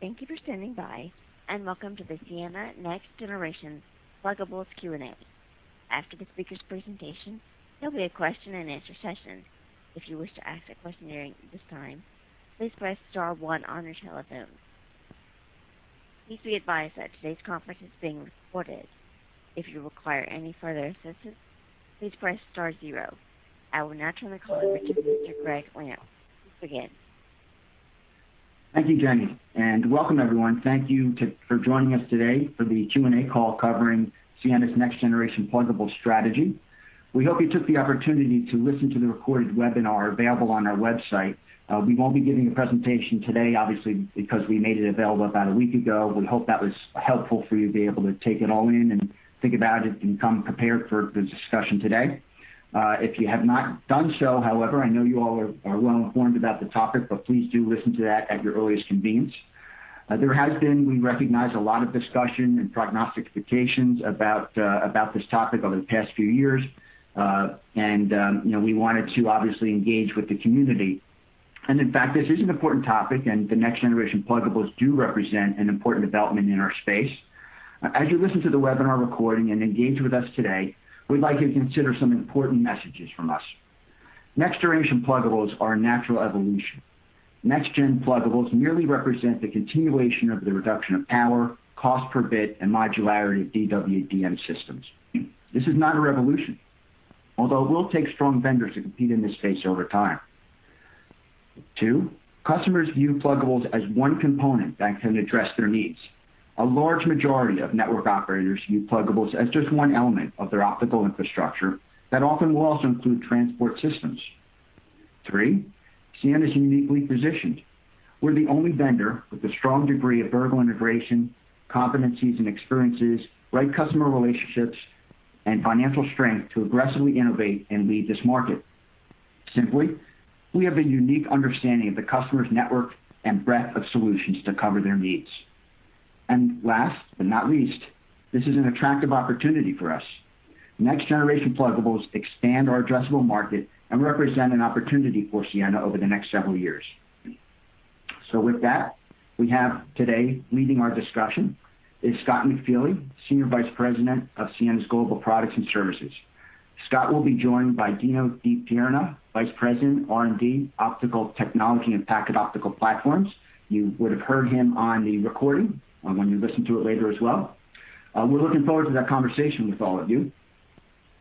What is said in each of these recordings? Thank you for standing by, and welcome to the Ciena Next Generation Pluggables Q&A. After the speaker's presentation, there will be a question-and-answer session. If you wish to ask a question during this time, please press star one on your telephone. Please be advised that today's conference is being recorded. If you require any further assistance, please press star zero. I will now turn the call over to Mr. Gregg Lampf. Please begin. Thank you, Jenny. And welcome, everyone. Thank you for joining us today for the Q&A call covering Ciena's Next Generation Pluggable strategy. We hope you took the opportunity to listen to the recorded webinar available on our website. We won't be giving a presentation today, obviously, because we made it available about a week ago. We hope that was helpful for you to be able to take it all in and think about it and come prepared for the discussion today. If you have not done so, however, I know you all are well informed about the topic, but please do listen to that at your earliest convenience. There has been, we recognize, a lot of discussion and prognostications about this topic over the past few years, and we wanted to, obviously, engage with the community. In fact, this is an important topic, and the Next Generation Pluggables do represent an important development in our space. As you listen to the webinar recording and engage with us today, we'd like you to consider some important messages from us. Next Generation Pluggables are a natural evolution. Next Gen Pluggables merely represent the continuation of the reduction of power, cost per bit, and modularity of DWDM systems. This is not a revolution, although it will take strong vendors to compete in this space over time. Two, customers view Pluggables as one component that can address their needs. A large majority of network operators view Pluggables as just one element of their optical infrastructure that often will also include transport systems. Three, Ciena is uniquely positioned. We're the only vendor with a strong degree of vertical integration, competencies and experiences, right customer relationships, and financial strength to aggressively innovate and lead this market. Simply, we have a unique understanding of the customer's network and breadth of solutions to cover their needs. And last but not least, this is an attractive opportunity for us. Next Generation Pluggables expand our addressable market and represent an opportunity for Ciena over the next several years. So with that, we have today leading our discussion is Scott McFeely, Senior Vice President of Ciena's Global Products and Services. Scott will be joined by Dino Di Pierna, Vice President, R&D, Optical Technology and Packet Optical Platforms. You would have heard him on the recording when you listen to it later as well. We're looking forward to that conversation with all of you.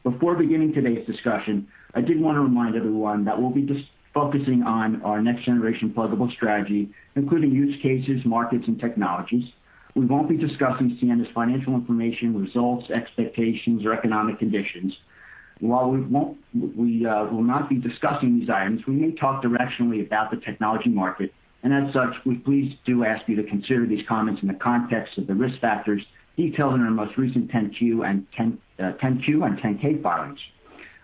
Before beginning today's discussion, I did want to remind everyone that we'll be focusing on our Next Generation Pluggable strategy, including use cases, markets, and technologies. We won't be discussing Ciena's financial information, results, expectations, or economic conditions. While we will not be discussing these items, we may talk directionally about the technology market. And as such, we please do ask you to consider these comments in the context of the risk factors detailed in our most recent 10-Q and 10-K filings.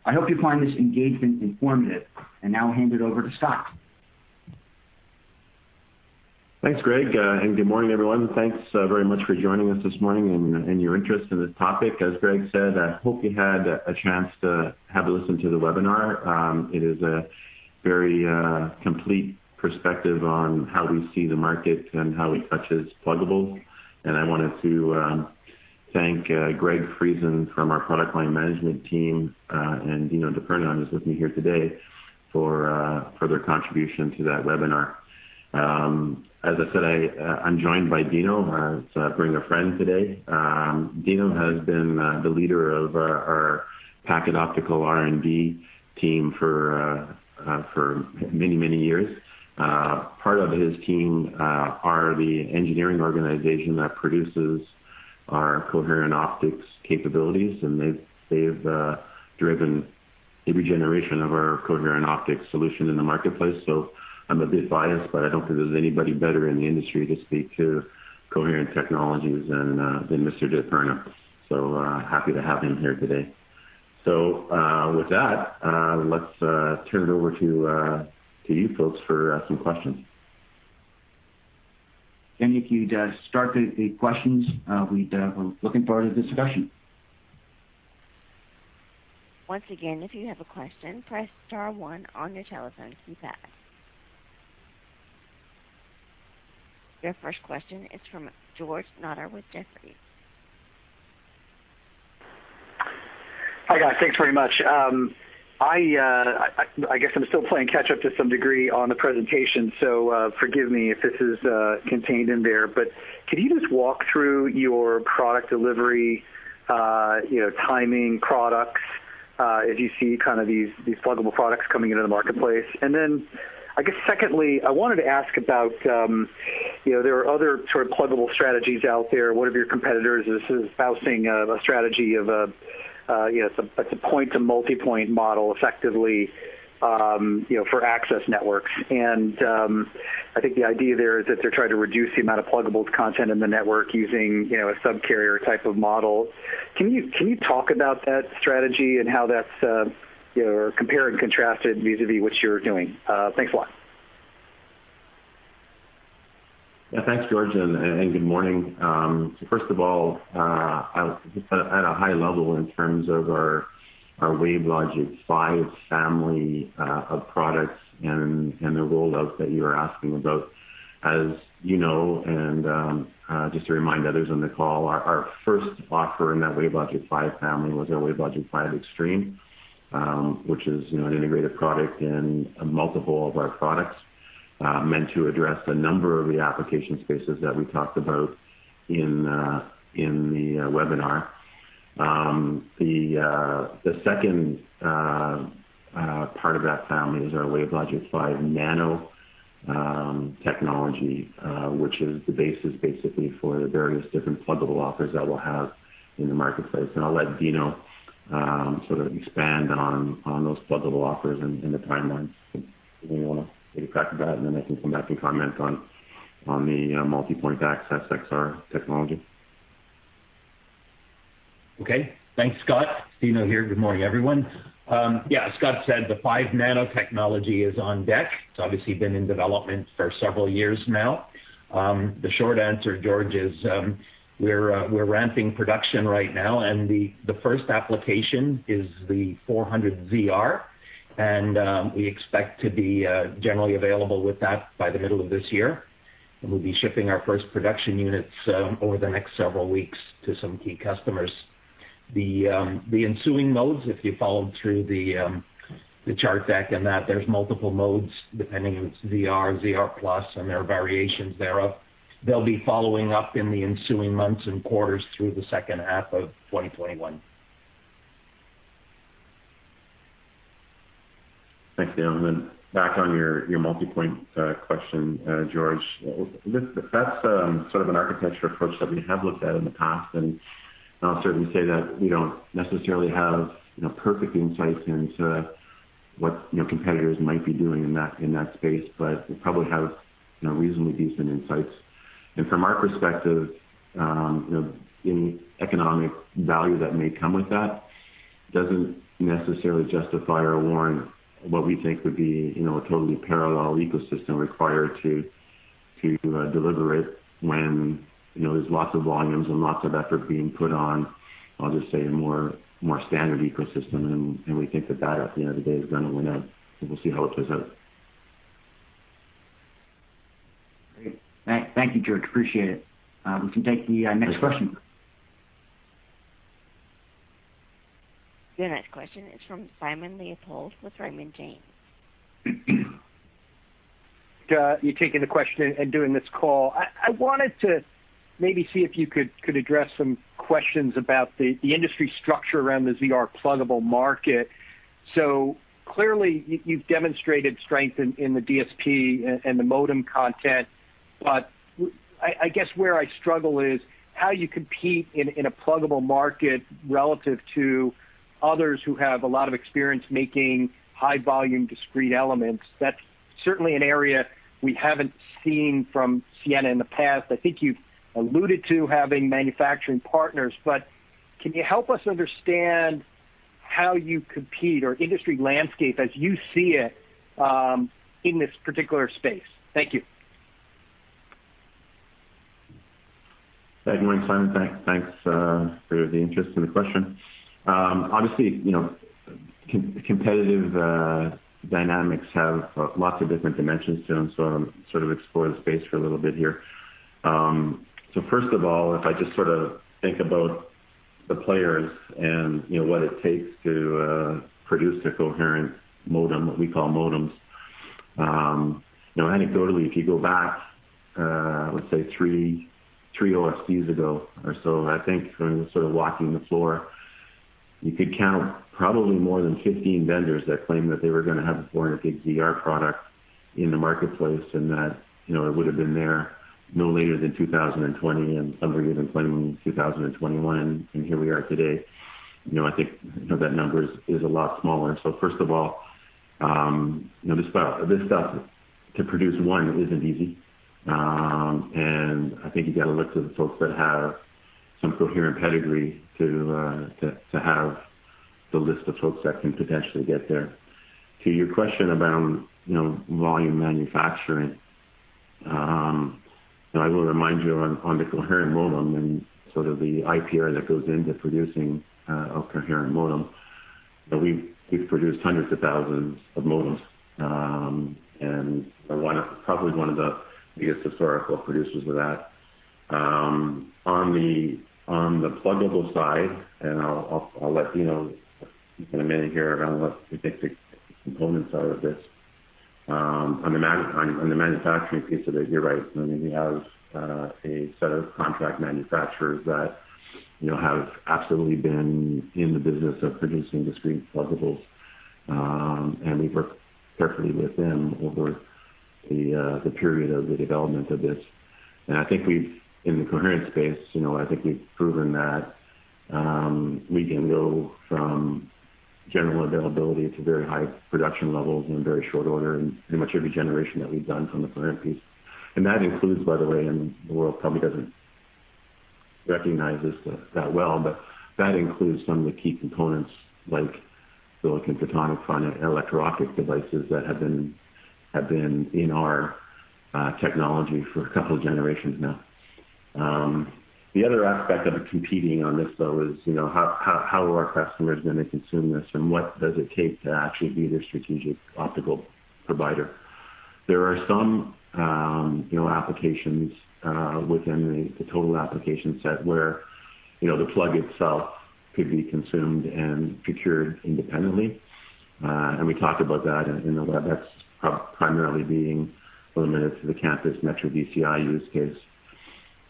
I hope you find this engagement informative, and now I'll hand it over to Scott. Thanks, Gregg, and good morning, everyone. Thanks very much for joining us this morning and your interest in this topic. As Gregg said, I hope you had a chance to have a listen to the webinar. It is a very complete perspective on how we see the market and how it touches pluggables. I wanted to thank Gregg Friesen from our Product Line Management Team, and Dino Di Pierna is with me here today for further contribution to that webinar. As I said, I'm joined by Dino. It's bringing a friend today. Dino has been the leader of our Packet Optical R&D team for many, many years. Part of his team are the engineering organization that produces our coherent optics capabilities, and they've driven every generation of our coherent optics solution in the marketplace. So I'm a bit biased, but I don't think there's anybody better in the industry to speak to coherent technologies than Mr. Di Pierna. So happy to have him here today. So with that, let's turn it over to you folks for some questions. Jenny, if you'd start the questions, we'd be looking forward to the discussion. Once again, if you have a question, press star one on your telephone keypad. Your first question is from George Notter with Jefferies. Hi guys, thanks very much. I guess I'm still playing catch-up to some degree on the presentation, so forgive me if this is contained in there. But could you just walk through your product delivery, timing, products, as you see kind of these pluggable products coming into the marketplace? And then I guess secondly, I wanted to ask about, there are other sort of pluggable strategies out there. One of your competitors is espousing a strategy of a point-to-multipoint model effectively for access networks. And I think the idea there is that they're trying to reduce the amount of pluggables content in the network using a sub-carrier type of model. Can you talk about that strategy and how that's compared and contrasted vis-à-vis what you're doing? Thanks a lot. Yeah, thanks, George, and good morning. So first of all, at a high level in terms of our WaveLogic fiive family of products and the rollout that you were asking about, as you know, and just to remind others on the call, our first offer in that WaveLogic five family was our WaveLogic five Extreme, which is an integrated product in multiple of our products meant to address a number of the application spaces that we talked about in the webinar. The second part of that family is our WaveLogic five Nano technology, which is the basis basically for the various different pluggable offers that we'll have in the marketplace. And I'll let Dino sort of expand on those pluggable offers and the timelines. We want to maybe talk about it, and then I can come back and comment on the multipoint access XR technology. Okay, thanks, Scott. Dino here, good morning, everyone. Yeah, Scott said the five Nano technology is on deck. It's obviously been in development for several years now. The short answer, George, is we're ramping production right now, and the first application is the 400ZR, and we expect to be generally available with that by the middle of this year, and we'll be shipping our first production units over the next several weeks to some key customers. The ensuing modes, if you followed through the slide deck and that there's multiple modes depending on ZR, ZR Plus, and there are variations thereof, they'll be following up in the ensuing months and quarters through the second half of 2021. Thanks, Dan. And then back on your multipoint question, George, that's sort of an architecture approach that we have looked at in the past, and I'll certainly say that we don't necessarily have perfect insights into what competitors might be doing in that space, but we probably have reasonably decent insights. And from our perspective, any economic value that may come with that doesn't necessarily justify or warrant what we think would be a totally parallel ecosystem required to deliver it when there's lots of volumes and lots of effort being put on, I'll just say, a more standard ecosystem. And we think that that, at the end of the day, is going to win out. We'll see how it plays out. Great. Thank you, George. Appreciate it. We can take the next question. The next question is from Simon Leopold with Raymond James. You taking the question and doing this call? I wanted to maybe see if you could address some questions about the industry structure around the ZR pluggable market. So clearly, you've demonstrated strength in the DSP and the modem content, but I guess where I struggle is how you compete in a pluggable market relative to others who have a lot of experience making high-volume discrete elements. That's certainly an area we haven't seen from Ciena in the past. I think you've alluded to having manufacturing partners, but can you help us understand how you compete or industry landscape as you see it in this particular space? Thank you. Good morning, Simon. Thanks for the interest in the question. Obviously, competitive dynamics have lots of different dimensions to them, so I'll sort of explore the space for a little bit here. So first of all, if I just sort of think about the players and what it takes to produce a coherent modem, what we call modems. Anecdotally, if you go back, let's say three OFC's ago or so, I think when we were sort of walking the floor, you could count probably more than 15 vendors that claimed that they were going to have a 400ZR product in the marketplace and that it would have been there no later than 2020, and some were even claiming 2021, and here we are today. I think that number is a lot smaller. So first of all, this stuff to produce, one, isn't easy. And I think you've got to look to the folks that have some coherent pedigree to have the list of folks that can potentially get there. To your question around volume manufacturing, I will remind you on the coherent modem and sort of the IPR that goes into producing a coherent modem. We've produced hundreds of thousands of modems, and we're probably one of the biggest historical producers of that. On the Pluggable side, and I'll let you know in a minute here around what we think the components are of this. On the manufacturing piece of it, you're right. I mean, we have a set of contract manufacturers that have absolutely been in the business of producing discrete Pluggables, and we've worked carefully with them over the period of the development of this. And I think in the coherent space, I think we've proven that we can go from general availability to very high production levels in very short order in pretty much every generation that we've done from the current piece. And that includes, by the way, and the world probably doesn't recognize this that well, but that includes some of the key components like silicon photonic front-end electro-optic devices that have been in our technology for a couple of generations now. The other aspect of competing on this, though, is how are our customers going to consume this, and what does it take to actually be their strategic optical provider? There are some applications within the total application set where the plug itself could be consumed and procured independently. And we talked about that in the web, that's primarily being limited to the campus Metro DCI use case.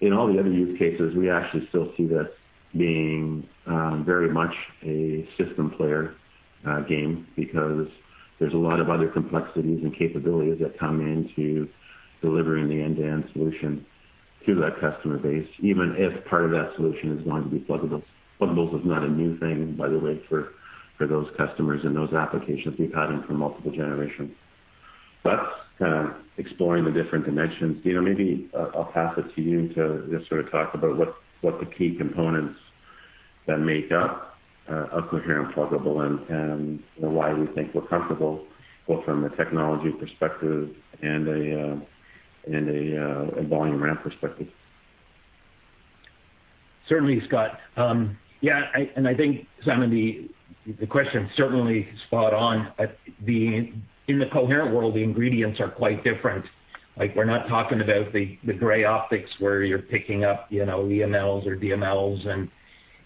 In all the other use cases, we actually still see this being very much a system player game because there's a lot of other complexities and capabilities that come into delivering the end-to-end solution to that customer base, even if part of that solution is going to be Pluggables. Pluggables is not a new thing, by the way, for those customers and those applications. We've had them for multiple generations. But kind of exploring the different dimensions, Dino, maybe I'll pass it to you to just sort of talk about what the key components that make up a coherent Pluggable and why we think we're comfortable, both from a technology perspective and a volume ramp perspective. Certainly, Scott. Yeah, and I think, Simon, the question's certainly spot on. In the coherent world, the ingredients are quite different. We're not talking about the gray optics where you're picking up EMLs or DMLs and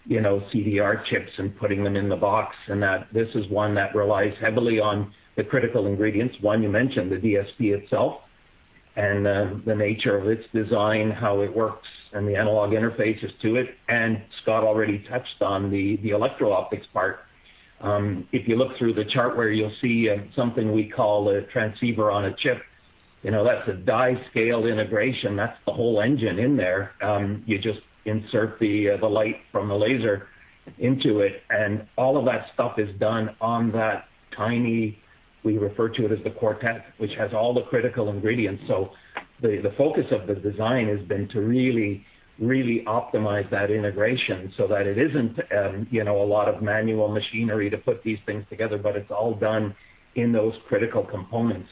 CDR chips and putting them in the box, and that this is one that relies heavily on the critical ingredients. One, you mentioned the DSP itself and the nature of its design, how it works, and the analog interfaces to it. And Scott already touched on the electro-optics part. If you look through the chart where you'll see something we call a transceiver on a chip, that's a die-scale integration. That's the whole engine in there. You just insert the light from the laser into it, and all of that stuff is done on that tiny, we refer to it as the quartet, which has all the critical ingredients. So the focus of the design has been to really, really optimize that integration so that it isn't a lot of manual machinery to put these things together, but it's all done in those critical components.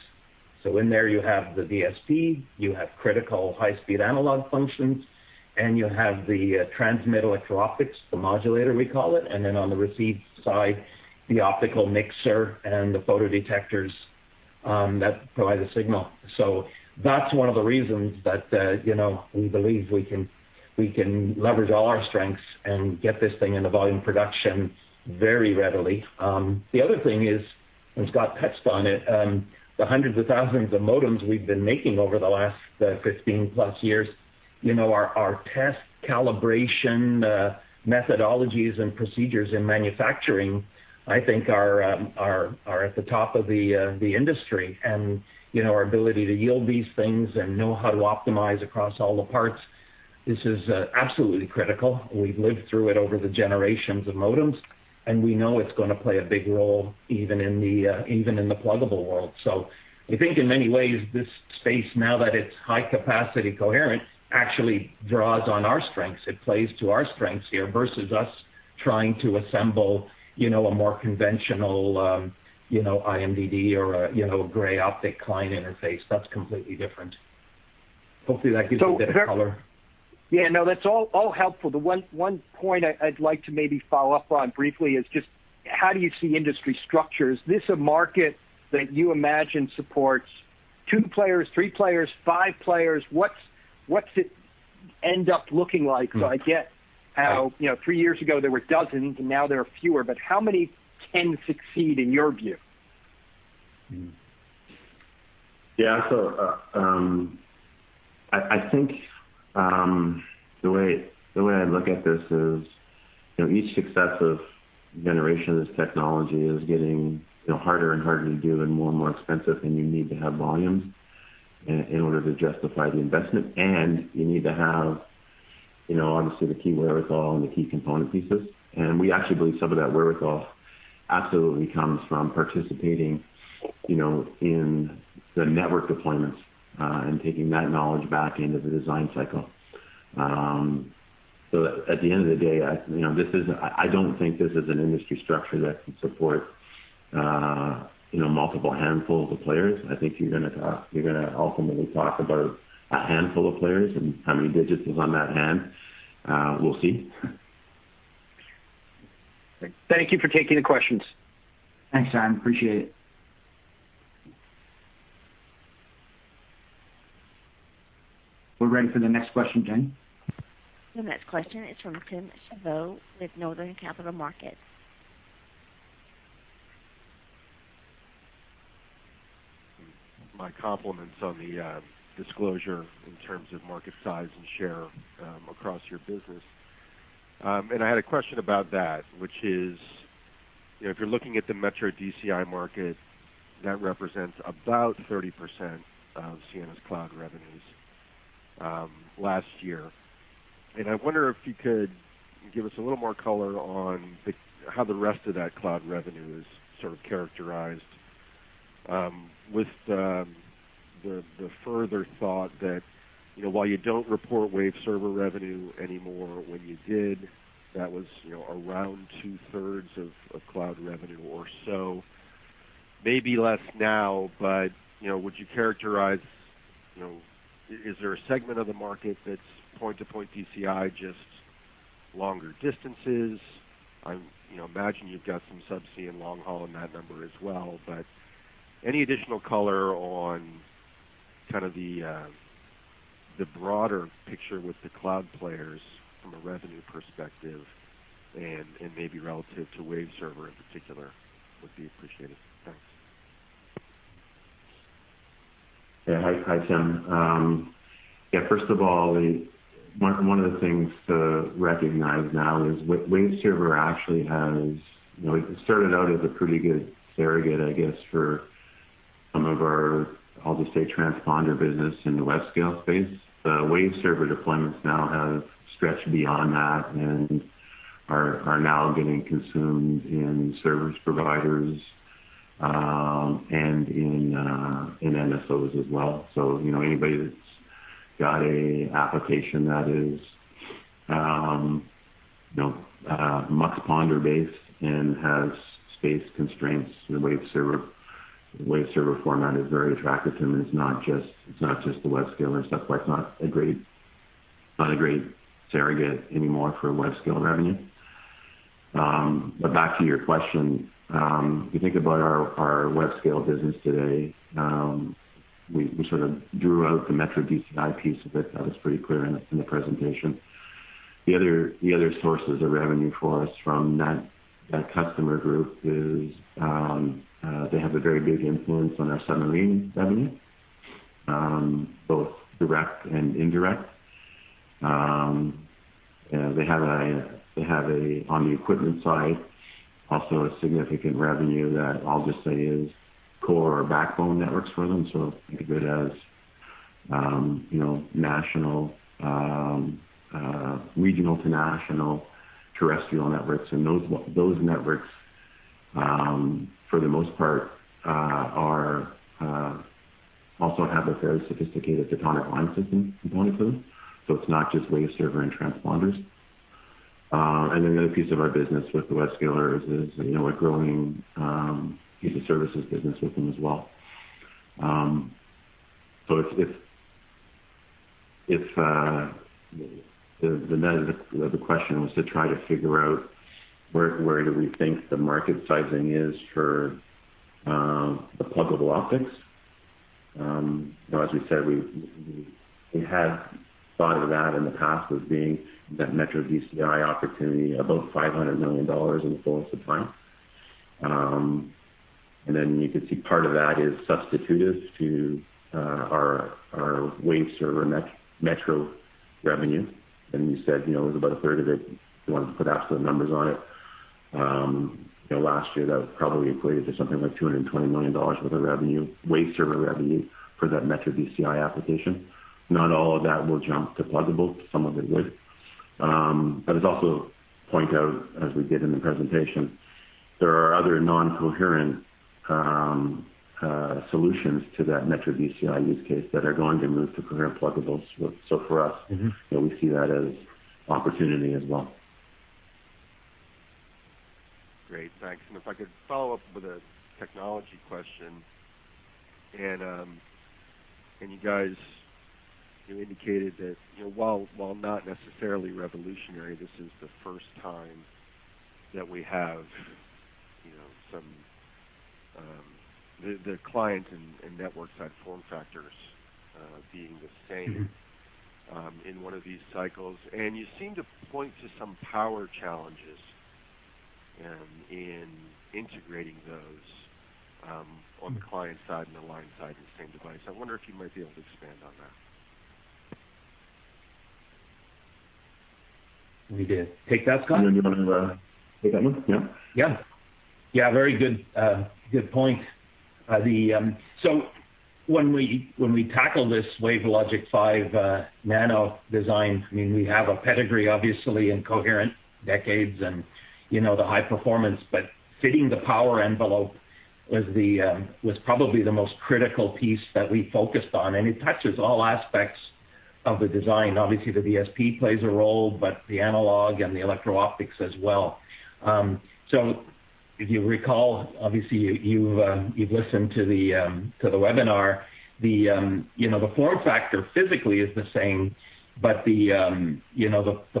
So in there, you have the DSP, you have critical high-speed analog functions, and you have the transmit electro-optics, the modulator we call it, and then on the receive side, the optical mixer and the photodetectors that provide the signal. So that's one of the reasons that we believe we can leverage all our strengths and get this thing into volume production very readily. The other thing is, and Scott touched on it, the hundreds of thousands of modems we've been making over the last 15-plus years, our test calibration methodologies and procedures in manufacturing, I think, are at the top of the industry. And our ability to yield these things and know how to optimize across all the parts, this is absolutely critical. We've lived through it over the generations of modems, and we know it's going to play a big role even in the pluggable world. So I think in many ways, this space, now that it's high-capacity coherent, actually draws on our strengths. It plays to our strengths here versus us trying to assemble a more conventional IMDD or a gray optic client interface. That's completely different. Hopefully, that gives you a bit of color. Yeah, no, that's all helpful. The one point I'd like to maybe follow up on briefly is just how do you see industry structure? Is this a market that you imagine supports two players, three players, five players? What's it end up looking like? So I get how three years ago there were dozens, and now there are fewer, but how many can succeed in your view? Yeah, so I think the way I look at this is each successive generation of this technology is getting harder and harder to do and more and more expensive, and you need to have volumes in order to justify the investment, and you need to have, obviously, the key wherewithal and the key component pieces, and we actually believe some of that wherewithal absolutely comes from participating in the network deployments and taking that knowledge back into the design cycle, so at the end of the day, I don't think this is an industry structure that can support multiple handfuls of players. I think you're going to ultimately talk about a handful of players and how many digits is on that hand. We'll see. Thank you for taking the questions. Thanks, Simon. Appreciate it. We're ready for the next question, Jenny. The next question is from Tim Savageaux with Northland Capital Markets. My compliments on the disclosure in terms of market size and share across your business, and I had a question about that, which is if you're looking at the Metro DCI market, that represents about 30% of Ciena's cloud revenues last year, and I wonder if you could give us a little more color on how the rest of that cloud revenue is sort of characterized with the further thought that while you don't report Waveserver revenue anymore, when you did, that was around two-thirds of cloud revenue or so. Maybe less now, but would you characterize, is there a segment of the market that's point-to-point DCI just longer distances? I imagine you've got some subsea and long-haul in that number as well, but any additional color on kind of the broader picture with the cloud players from a revenue perspective and maybe relative to Waveserver in particular would be appreciated. Thanks. Yeah, hi, Tim. Yeah, first of all, one of the things to recognize now is Waveserver actually has it started out as a pretty good surrogate, I guess, for some of our, I'll just say, transponder business in the web scale space. The Waveserver deployments now have stretched beyond that and are now getting consumed in service providers and in MSOs as well. So anybody that's got an application that is Muxponder-based and has space constraints, the Waveserver format is very attractive to them. It's not just the web scale and stuff like that. It's not a great surrogate anymore for web scale revenue. But back to your question, if you think about our web scale business today, we sort of drew out the Metro DCI piece of it. That was pretty clear in the presentation. The other sources of revenue for us from that customer group is they have a very big influence on our submarine revenue, both direct and indirect. They have, on the equipment side, also a significant revenue that I'll just say is core or backbone networks for them, so think of it as national, regional to national terrestrial networks. And those networks, for the most part, also have a very sophisticated photonic line system component to them, so it's not just Waveserver and transponders, and then the other piece of our business with the web scalers is a growing piece of services business with them as well. So if the question was to try to figure out where to rethink the market sizing is for the pluggable optics, as we said, we had thought of that in the past as being that Metro DCI opportunity of about $500 million in full supply. And then you could see part of that is substitutive to our Waveserver metro revenue. And you said it was about a third of it. You wanted to put absolute numbers on it. Last year, that probably equated to something like $220 million Waveserver revenue for that Metro DCI application. Not all of that will jump to pluggable. Some of it would. But I'd also point out, as we did in the presentation, there are other non-coherent solutions to that Metro DCI use case that are going to move to coherent pluggables. So for us, we see that as opportunity as well. Great. Thanks. And if I could follow up with a technology question. And you guys indicated that while not necessarily revolutionary, this is the first time that we have some of the client and network side form factors being the same in one of these cycles. And you seem to point to some power challenges in integrating those on the client side and the line side of the same device. I wonder if you might be able to expand on that? You can take that, Scott? You want to take that one? Yeah. Yeah. Yeah, very good point. So when we tackle this WaveLogic five Nano design, I mean, we have a pedigree, obviously, in coherent optics and the high performance, but fitting the power envelope was probably the most critical piece that we focused on. And it touches all aspects of the design. Obviously, the DSP plays a role, but the analog and the electro-optics as well. So if you recall, obviously, you've listened to the webinar. The form factor physically is the same, but the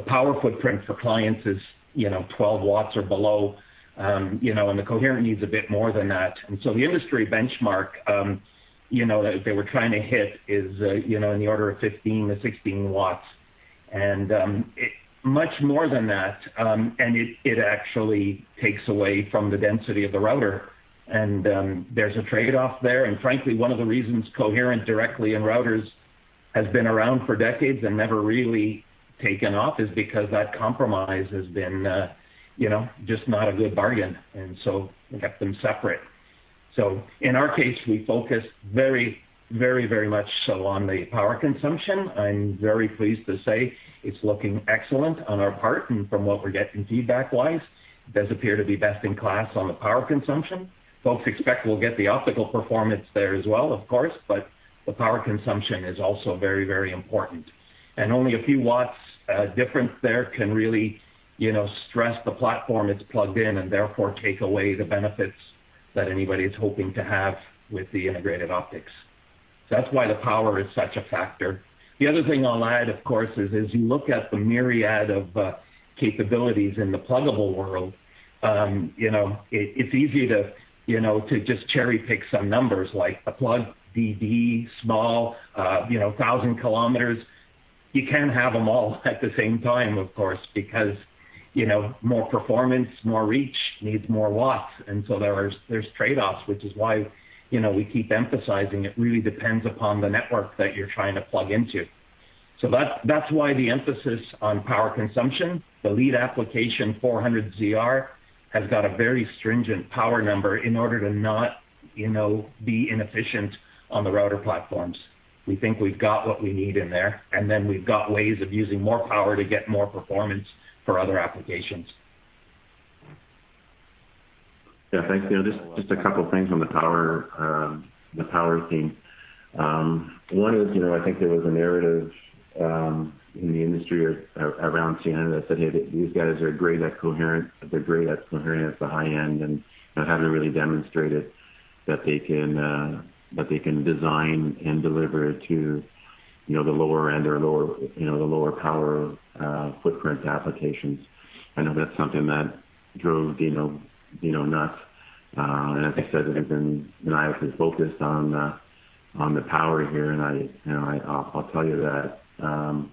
power footprint for clients is 12 watts or below, and the coherent needs a bit more than that. And so the industry benchmark that they were trying to hit is in the order of 15-16 watts. And much more than that, and it actually takes away from the density of the router. And there's a trade-off there. And frankly, one of the reasons coherent directly in routers has been around for decades and never really taken off is because that compromise has been just not a good bargain. And so we kept them separate. So in our case, we focused very, very, very much so on the power consumption. I'm very pleased to say it's looking excellent on our part, and from what we're getting feedback-wise, it does appear to be best in class on the power consumption. Folks expect we'll get the optical performance there as well, of course, but the power consumption is also very, very important. And only a few watts different there can really stress the platform it's plugged in and therefore take away the benefits that anybody is hoping to have with the integrated optics. So that's why the power is such a factor. The other thing I'll add, of course, is as you look at the myriad of capabilities in the pluggable world, it's easy to just cherry-pick some numbers like a pluggable, small, 1,000 km. You can't have them all at the same time, of course, because more performance, more reach needs more watts. And so there's trade-offs, which is why we keep emphasizing it really depends upon the network that you're trying to plug into. So that's why the emphasis on power consumption, the lead application 400 ZR has got a very stringent power number in order to not be inefficient on the router platforms. We think we've got what we need in there, and then we've got ways of using more power to get more performance for other applications. Yeah, thanks. Just a couple of things on the power theme. One is I think there was a narrative in the industry around Ciena that said, "Hey, these guys are great at coherent. They're great at coherent at the high end," and haven't really demonstrated that they can design and deliver it to the lower end or the lower power footprint applications. I know that's something that drove us. And as I said, I've been actively focused on the power here, and I'll tell you that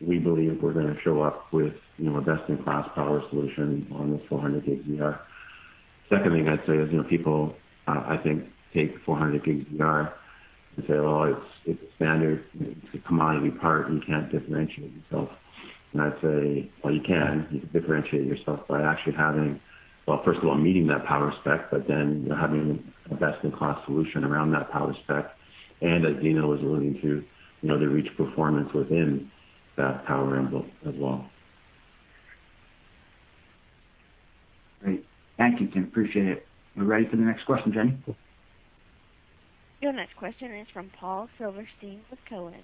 we believe we're going to show up with a best-in-class power solution on the 400 gig ZR. Second thing I'd say is people, I think, take 400 gig ZR and say, "Well, it's a standard commodity part. You can't differentiate yourself." And I'd say, "Well, you can. You can differentiate yourself by actually having, well, first of all, meeting that power spec, but then having a best-in-class solution around that power spec, and as Dino was alluding to, the reach performance within that power envelope as well. Great. Thank you, Tim. Appreciate it. We're ready for the next question, Jenny. The next question is from Paul Silverstein with Cowen.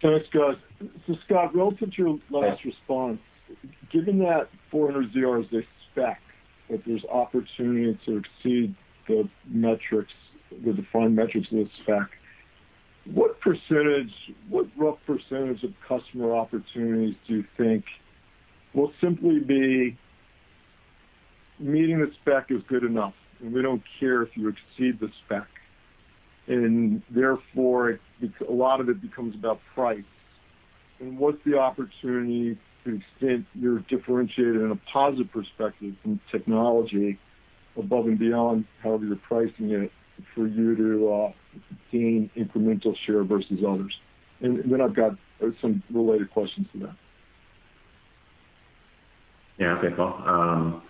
Hey, Scott. So, Scott, relative to your last response, given that 400ZR is a spec, that there's opportunity to exceed the metrics, the defined metrics of the spec, what rough percentage of customer opportunities do you think will simply be meeting the spec is good enough? And we don't care if you exceed the spec. And therefore, a lot of it becomes about price. And what's the opportunity to the extent you're differentiated in a positive perspective from technology above and beyond however you're pricing it for you to gain incremental share versus others? And then I've got some related questions to that. Yeah, okay, Paul.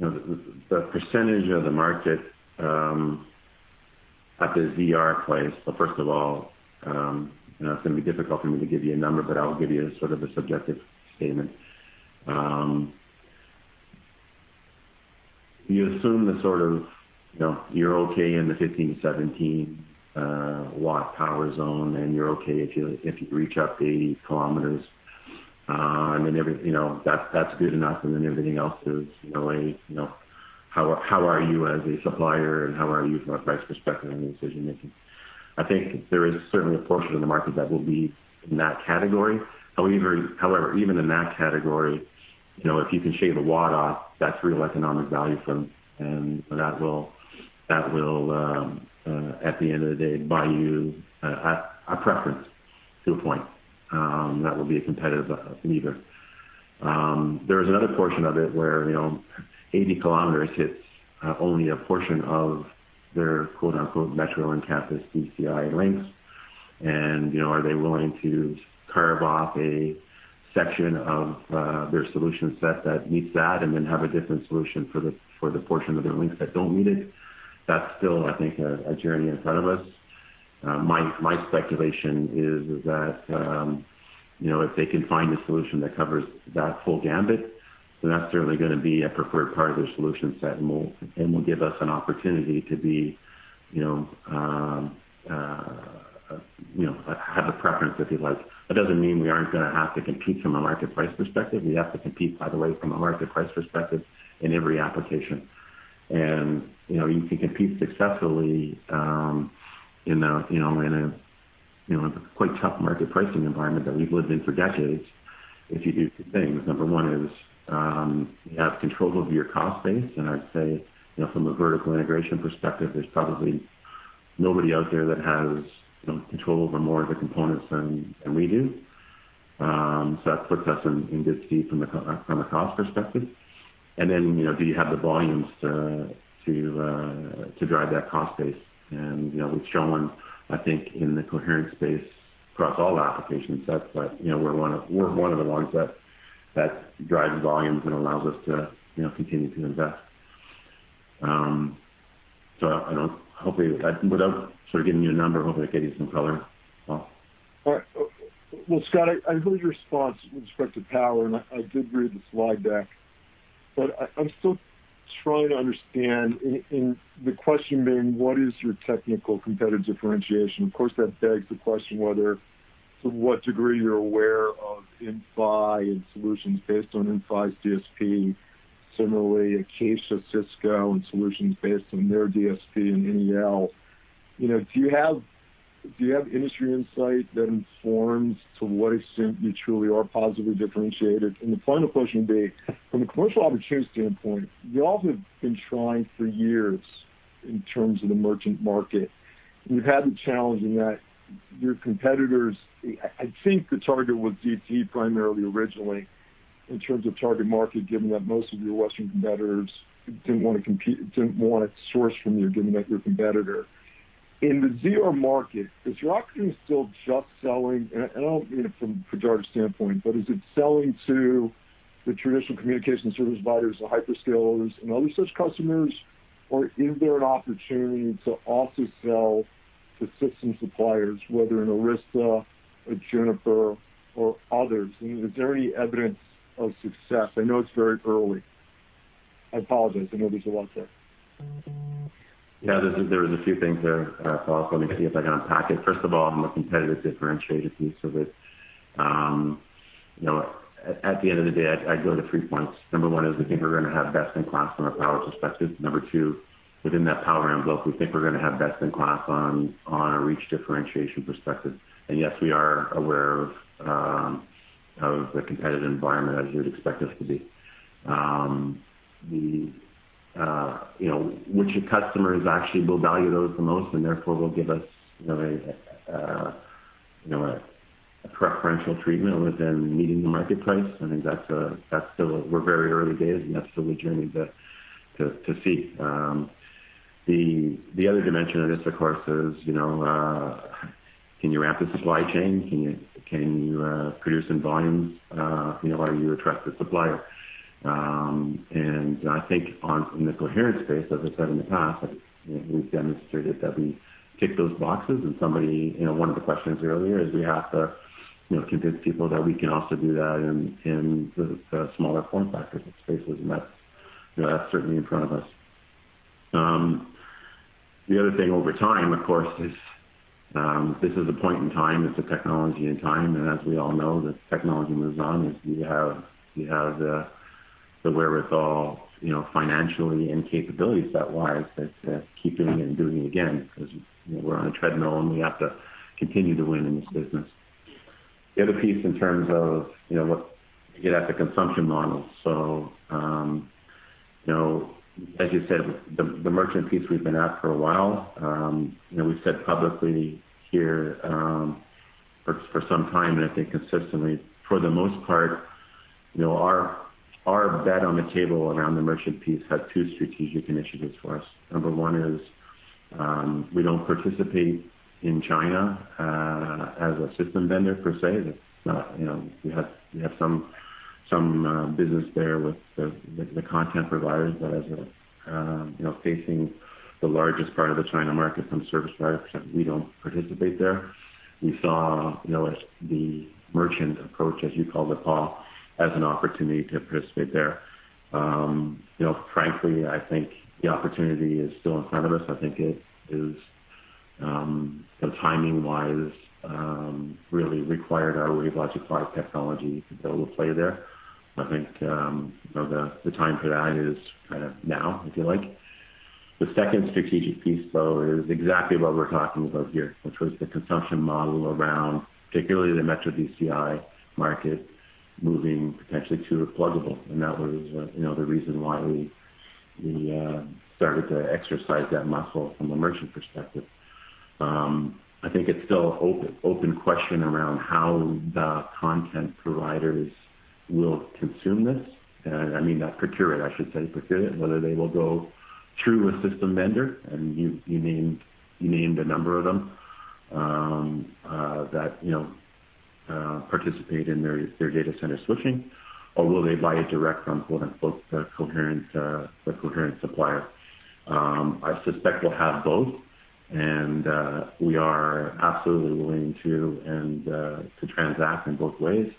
The percentage of the market at the ZR space, well, first of all, it's going to be difficult for me to give you a number, but I'll give you sort of a subjective statement. You assume that sort of you're okay in the 15-17-watt power zone, and you're okay if you reach up to 80 km. And then that's good enough, and then everything else is, "How are you as a supplier, and how are you from a price perspective in the decision-making?" I think there is certainly a portion of the market that will be in that category. However, even in that category, if you can shave a watt off that real economic value from, and that will, at the end of the day, buy you a preference to a point. That will be a competitive lever. There is another portion of it where 80 km hits only a portion of their "metro and campus DCI links," and are they willing to carve off a section of their solution set that meets that and then have a different solution for the portion of their links that don't meet it? That's still, I think, a journey in front of us. My speculation is that if they can find a solution that covers that full gamut, then that's certainly going to be a preferred part of their solution set and will give us an opportunity to have the preference that they like. That doesn't mean we aren't going to have to compete from a market price perspective. We have to compete, by the way, from a market price perspective in every application. And you can compete successfully in a quite tough market pricing environment that we've lived in for decades if you do two things. Number one, you have control over your cost base. And I'd say from a vertical integration perspective, there's probably nobody out there that has control over more of the components than we do. So that puts us in good stead from a cost perspective. And then do you have the volumes to drive that cost base? And we've shown, I think, in the coherent space across all applications that we're one of the ones that drives volumes and allows us to continue to invest. So hopefully, without sort of giving you a number, hopefully it gave you some color, Paul. Scott, I heard your response with respect to power, and I did read the slide deck. But I'm still trying to understand, and the question being, what is your technical competitive differentiation? Of course, that begs the question whether to what degree you're aware of INFI and solutions based on INFI's DSP, similarly Acacia, Cisco, and solutions based on their DSP and NEL. Do you have industry insight that informs to what extent you truly are positively differentiated? And the final question would be, from a commercial opportunity standpoint, you all have been trying for years in terms of the merchant market. You've had the challenge in that your competitors, I think the target was DT primarily originally in terms of target market, given that most of your Western competitors didn't want to compete. Didn't want to source from you, given that you're a competitor. In the ZR market, is your opportunity still just selling? And I don't mean it from a producer standpoint, but is it selling to the traditional communication service providers, the hyperscalers, and other such customers? Or is there an opportunity to also sell to system suppliers, whether in Arista, at Juniper, or others? And is there any evidence of success? I know it's very early. I apologize. I know there's a lot there. Yeah, there were a few things there, Paul. Let me see if I can unpack it. First of all, on the competitive differentiated piece of it, at the end of the day, I'd go to three points. Number one is we think we're going to have best-in-class from a power perspective. Number two, within that power envelope, we think we're going to have best-in-class on a reach differentiation perspective. And yes, we are aware of the competitive environment, as you'd expect us to be. Which customers actually will value those the most, and therefore will give us a preferential treatment within meeting the market price? I think that's still. We're very early days, and that's still a journey to see. The other dimension of this, of course, is can you ramp the supply chain? Can you produce in volumes? Are you a trusted supplier? And I think in the coherent space, as I said in the past, we've demonstrated that we tick those boxes. And one of the questions earlier is we have to convince people that we can also do that in the smaller form factors of spaces, and that's certainly in front of us. The other thing over time, of course, is this is a point in time. It's a technology in time. And as we all know, the technology moves on as you have the wherewithal financially and capability set-wise that's keeping and doing it again because we're on a treadmill, and we have to continue to win in this business. The other piece in terms of what we get at the consumption model. So as you said, the merchant piece we've been at for a while. We've said publicly here for some time, and I think consistently, for the most part, our bet on the table around the merchant piece has two strategic initiatives for us. Number one is we don't participate in China as a system vendor per se. We have some business there with the content providers, but as facing the largest part of the China market from service products, we don't participate there. We saw the merchant approach, as you called it, Paul, as an opportunity to participate there. Frankly, I think the opportunity is still in front of us. I think it is, timing-wise, really required our WaveLogic supply technology to be able to play there. I think the time for that is kind of now, if you like. The second strategic piece, though, is exactly what we're talking about here, which was the consumption model around particularly the metro DCI market moving potentially to a pluggable. And that was the reason why we started to exercise that muscle from a merchant perspective. I think it's still an open question around how the content providers will consume this. I mean, that procure it, I should say, procure it, whether they will go through a system vendor, and you named a number of them that participate in their data center switching, or will they buy it direct from "coherent supplier"? I suspect we'll have both, and we are absolutely willing to transact in both ways.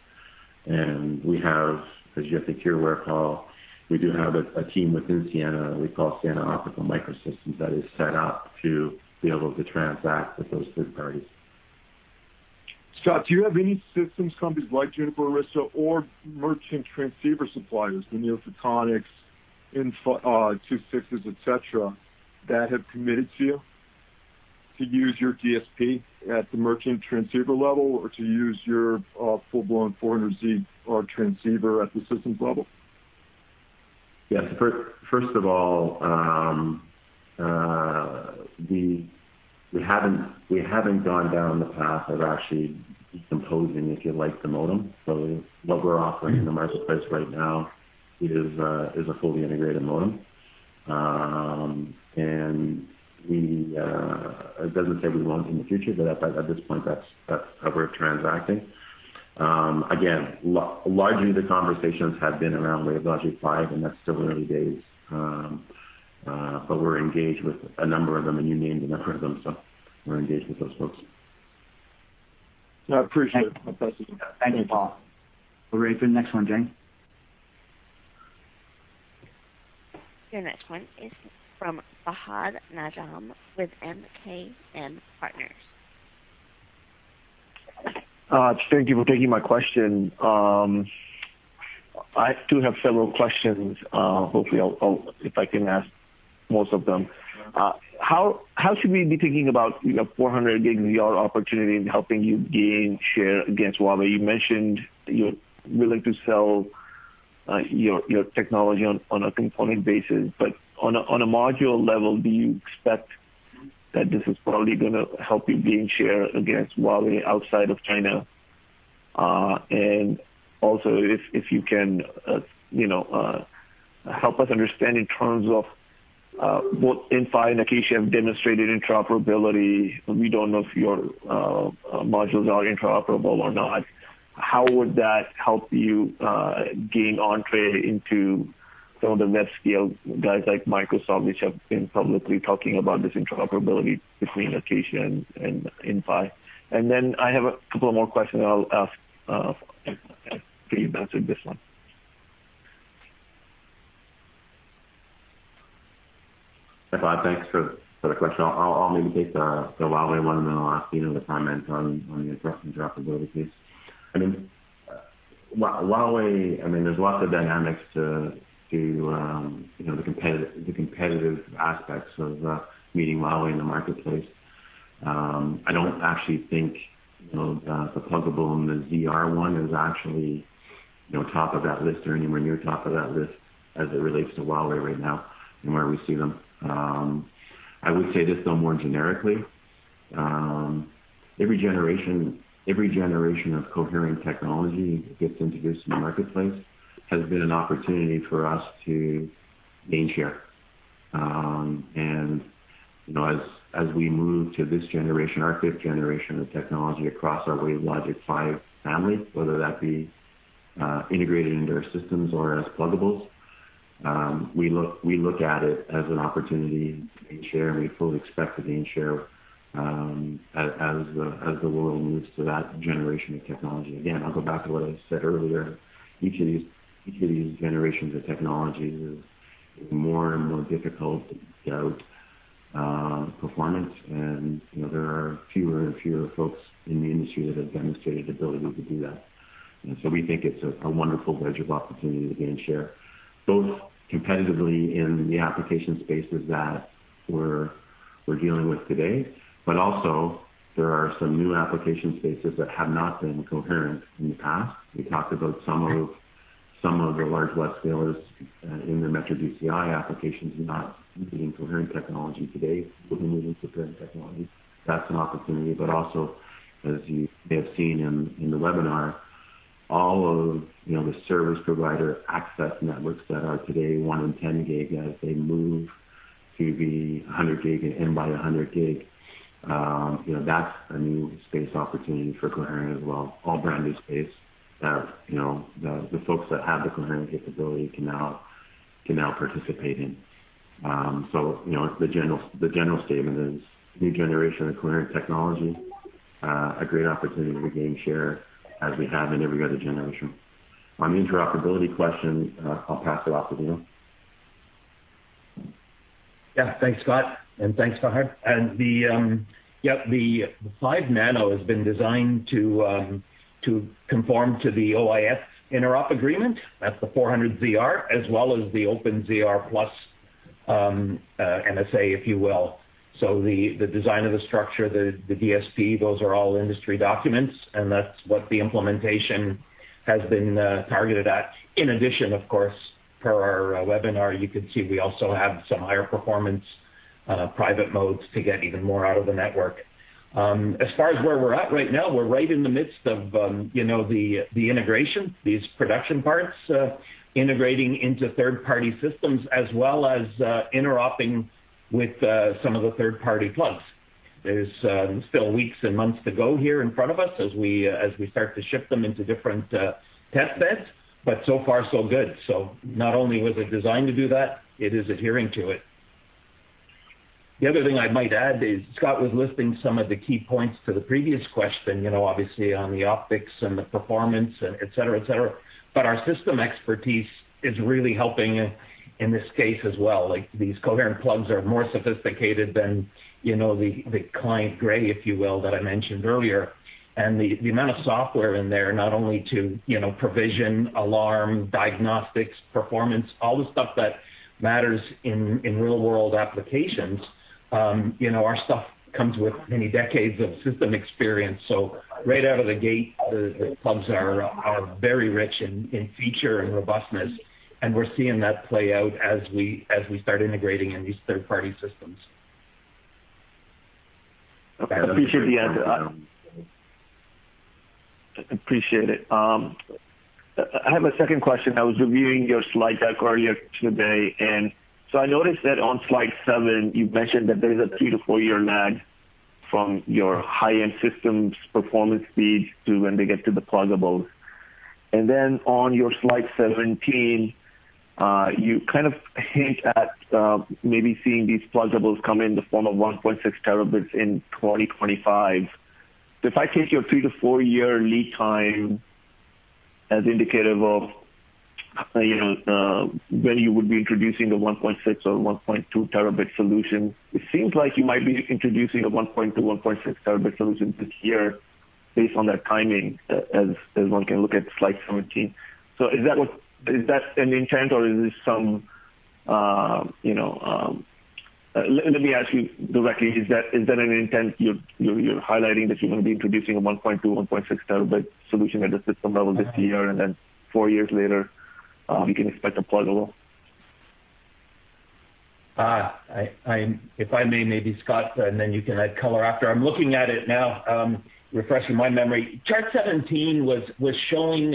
And we have, as you think you're aware, Paul, we do have a team within Ciena that we call Ciena Optical Microsystems that is set up to be able to transact with those third parties. Scott, do you have any systems companies like Juniper Arista or merchant transceiver suppliers, the NeoPhotonics, INFA, 260s, etc., that have committed to you to use your DSP at the merchant transceiver level or to use your full-blown 400ZR transceiver at the systems level? Yes. First of all, we haven't gone down the path of actually decomposing, if you like, the modem. So what we're offering in the marketplace right now is a fully integrated modem. And it doesn't say we won't in the future, but at this point, that's how we're transacting. Again, largely, the conversations have been around WaveLogic 5, and that's still early days. But we're engaged with a number of them, and you named a number of them. So we're engaged with those folks. I appreciate it. I'll pass it to you. Thank you, Paul. We're ready for the next one, Janny. Your next one is from Fahad Najam with MKM Partners. Thank you for taking my question. I do have several questions. Hopefully, if I can ask most of them. How should we be thinking about your 400ZR opportunity and helping you gain share against Huawei? You mentioned you're willing to sell your technology on a component basis. But on a module level, do you expect that this is probably going to help you gain share against Huawei outside of China? And also, if you can help us understand in terms of both INFA and Acacia have demonstrated interoperability, but we don't know if your modules are interoperable or not, how would that help you gain entree into some of the web scale guys like Microsoft, which have been publicly talking about this interoperability between Acacia and INFA? And then I have a couple more questions I'll ask for you to answer this one. Hi, Fahad. Thanks for the question. I'll maybe take the Huawei one, and then I'll ask you the comment on the interoperability piece. I mean, Huawei, I mean, there's lots of dynamics to the competitive aspects of meeting Huawei in the marketplace. I don't actually think the pluggable and the ZR one is actually top of that list or anywhere near top of that list as it relates to Huawei right now and where we see them. I would say this though more generically, every generation of coherent technology that gets introduced in the marketplace has been an opportunity for us to gain share. As we move to this generation, our fifth generation of technology across our WaveLogic five family, whether that be integrated into our systems or as pluggables, we look at it as an opportunity to gain share, and we fully expect to gain share as the world moves to that generation of technology. Again, I'll go back to what I said earlier. Each of these generations of technology is more and more difficult to get out performance, and there are fewer and fewer folks in the industry that have demonstrated the ability to do that. So we think it's a wonderful wedge of opportunity to gain share, both competitively in the application spaces that we're dealing with today, but also there are some new application spaces that have not been coherent in the past. We talked about some of the large web scalers in the metro DCI applications not being coherent technology today with the moving to current technology. That's an opportunity. But also, as you may have seen in the webinar, all of the service provider access networks that are today one and 10 gig as they move to be 100 gig and by 100 gig, that's a new space opportunity for coherent as well. All brand new space that the folks that have the coherent capability can now participate in. So the general statement is new generation of coherent technology, a great opportunity to gain share as we have in every other generation. On the interoperability question, I'll pass it off to Dino. Yeah. Thanks, Scott. And thanks, Fahad. And yep, the 5 Nano has been designed to conform to the OIF interop agreement. That's the 400ZR, as well as the Open ZR+ MSA, if you will. So the design of the structure, the DSP, those are all industry documents, and that's what the implementation has been targeted at. In addition, of course, per our webinar, you could see we also have some higher performance private modes to get even more out of the network. As far as where we're at right now, we're right in the midst of the integration, these production parts integrating into third-party systems as well as interoperating with some of the third-party pluggables. There's still weeks and months to go here in front of us as we start to ship them into different test beds, but so far, so good. So not only was it designed to do that, it is adhering to it. The other thing I might add is Scott was listing some of the key points to the previous question, obviously on the optics and the performance, etc., etc. But our system expertise is really helping in this case as well. These coherent plugs are more sophisticated than the client gray, if you will, that I mentioned earlier. And the amount of software in there, not only to provision, alarm, diagnostics, performance, all the stuff that matters in real-world applications, our stuff comes with many decades of system experience. So right out of the gate, the plugs are very rich in feature and robustness, and we're seeing that play out as we start integrating in these third-party systems. Okay. I appreciate it. I have a second question. I was reviewing your slide deck earlier today, and so I noticed that on slide seven, you mentioned that there's three to four year lag from your high-end systems performance speeds to when they get to the pluggables. And then on your slide 17, you kind of hint at maybe seeing these pluggables come in the form of 1.6 terabits in 2025. If I take your three to four year lead time as indicative of when you would be introducing the 1.6 or 1.2 terabit solution, it seems like you might be introducing a 1.2, 1.6 terabit solution this year based on that timing as one can look at slide 17. So is that an intent, or is there some let me ask you directly. Is that an intent you're highlighting that you're going to be introducing a 1.2, 1.6 terabit solution at the system level this year, and then four years later, we can expect a pluggable? Fahad, if I may, maybe Scott, and then you can add color after. I'm looking at it now, refreshing my memory. Chart 17 was showing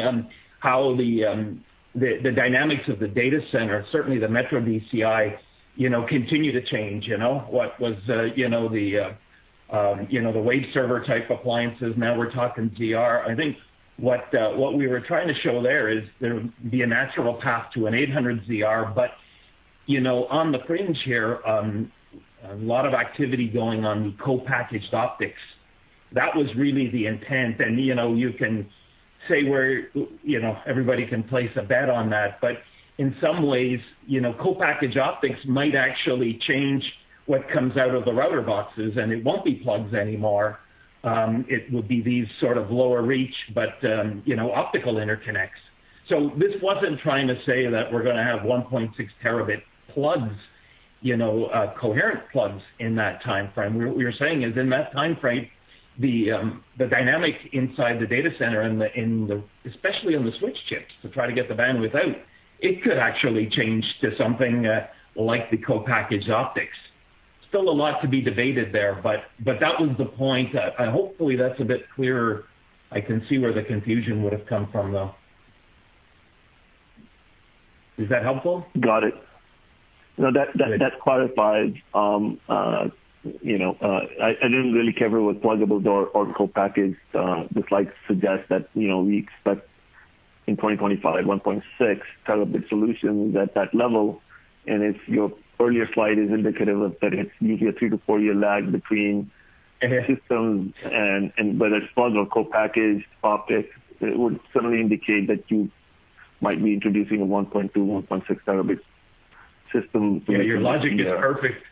how the dynamics of the data center, certainly the metro DCI, continue to change. What was the Waveserver-type appliances? Now we're talking ZR. I think what we were trying to show there is there would be a natural path to an 800ZR, but on the fringe here, a lot of activity going on the co-packaged optics. That was really the intent, and you can say everybody can place a bet on that, but in some ways, co-packaged optics might actually change what comes out of the router boxes, and it won't be plugs anymore. It would be these sort of lower reach, but optical interconnects. So this wasn't trying to say that we're going to have 1.6 terabit plugs, coherent plugs in that timeframe. What we were saying is in that timeframe, the dynamic inside the data center, especially on the switch chips to try to get the bandwidth out, it could actually change to something like the co-packaged optics. Still a lot to be debated there, but that was the point. Hopefully, that's a bit clearer. I can see where the confusion would have come from, though. Is that helpful? Got it. No, that clarifies. I didn't really cover what Pluggables are or co-packaged. The slides suggest that we expect in 2025, 1.6 terabit solutions at that level. And if your earlier slide is indicative of that, it's usually a three- to four-year lag between systems, and whether it's Plug or co-packaged optics, it would certainly indicate that you might be introducing a 1.2, 1.6 Tb system. Yeah. Your logic is perfect.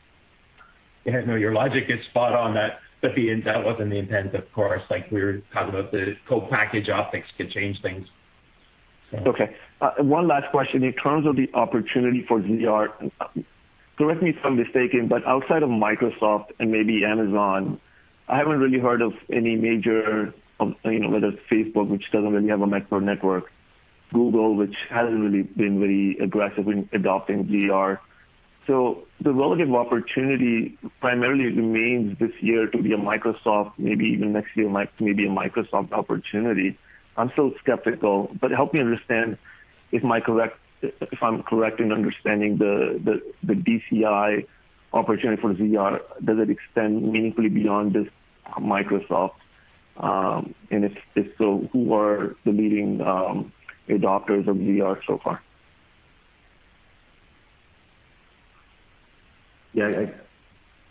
Yeah. No, your logic is spot on that. But that wasn't the intent, of course. We were talking about the Co-packaged Optics could change things. Okay. One last question. In terms of the opportunity for ZR, correct me if I'm mistaken, but outside of Microsoft and maybe Amazon, I haven't really heard of any major, whether it's Facebook, which doesn't really have a metro network, Google, which hasn't really been very aggressive in adopting ZR. So the relative opportunity primarily remains this year to be a Microsoft, maybe even next year, maybe a Microsoft opportunity. I'm still skeptical, but help me understand if I'm correct in understanding the DCI opportunity for ZR. Does it extend meaningfully beyond just Microsoft? And if so, who are the leading adopters of ZR so far? Yeah.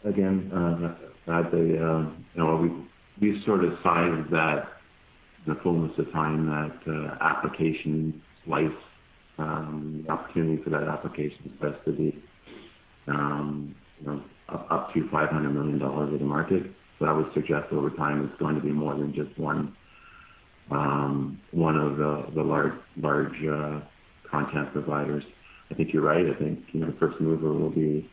Again, I'd say we've sort of sized that the fullness of time that application slice, the opportunity for that application is best to be up to $500 million of the market. So I would suggest over time, it's going to be more than just one of the large content providers. I think you're right. I think the first mover will be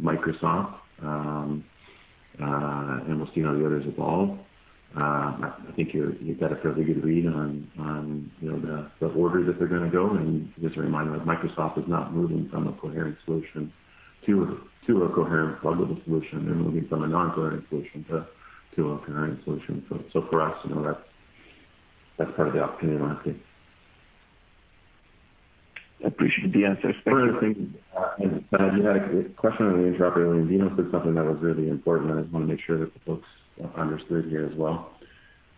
Microsoft, and we'll see how the others evolve. I think you've got a fairly good read on the order that they're going to go. And just a reminder that Microsoft is not moving from a coherent solution to a coherent pluggable solution. They're moving from a non-coherent solution to a coherent solution. So for us, that's part of the opportunity market. I appreciate the answer. Thank you. First thing, you had a question on the interoperability. Dino said something that was really important. I just want to make sure that the folks understood here as well.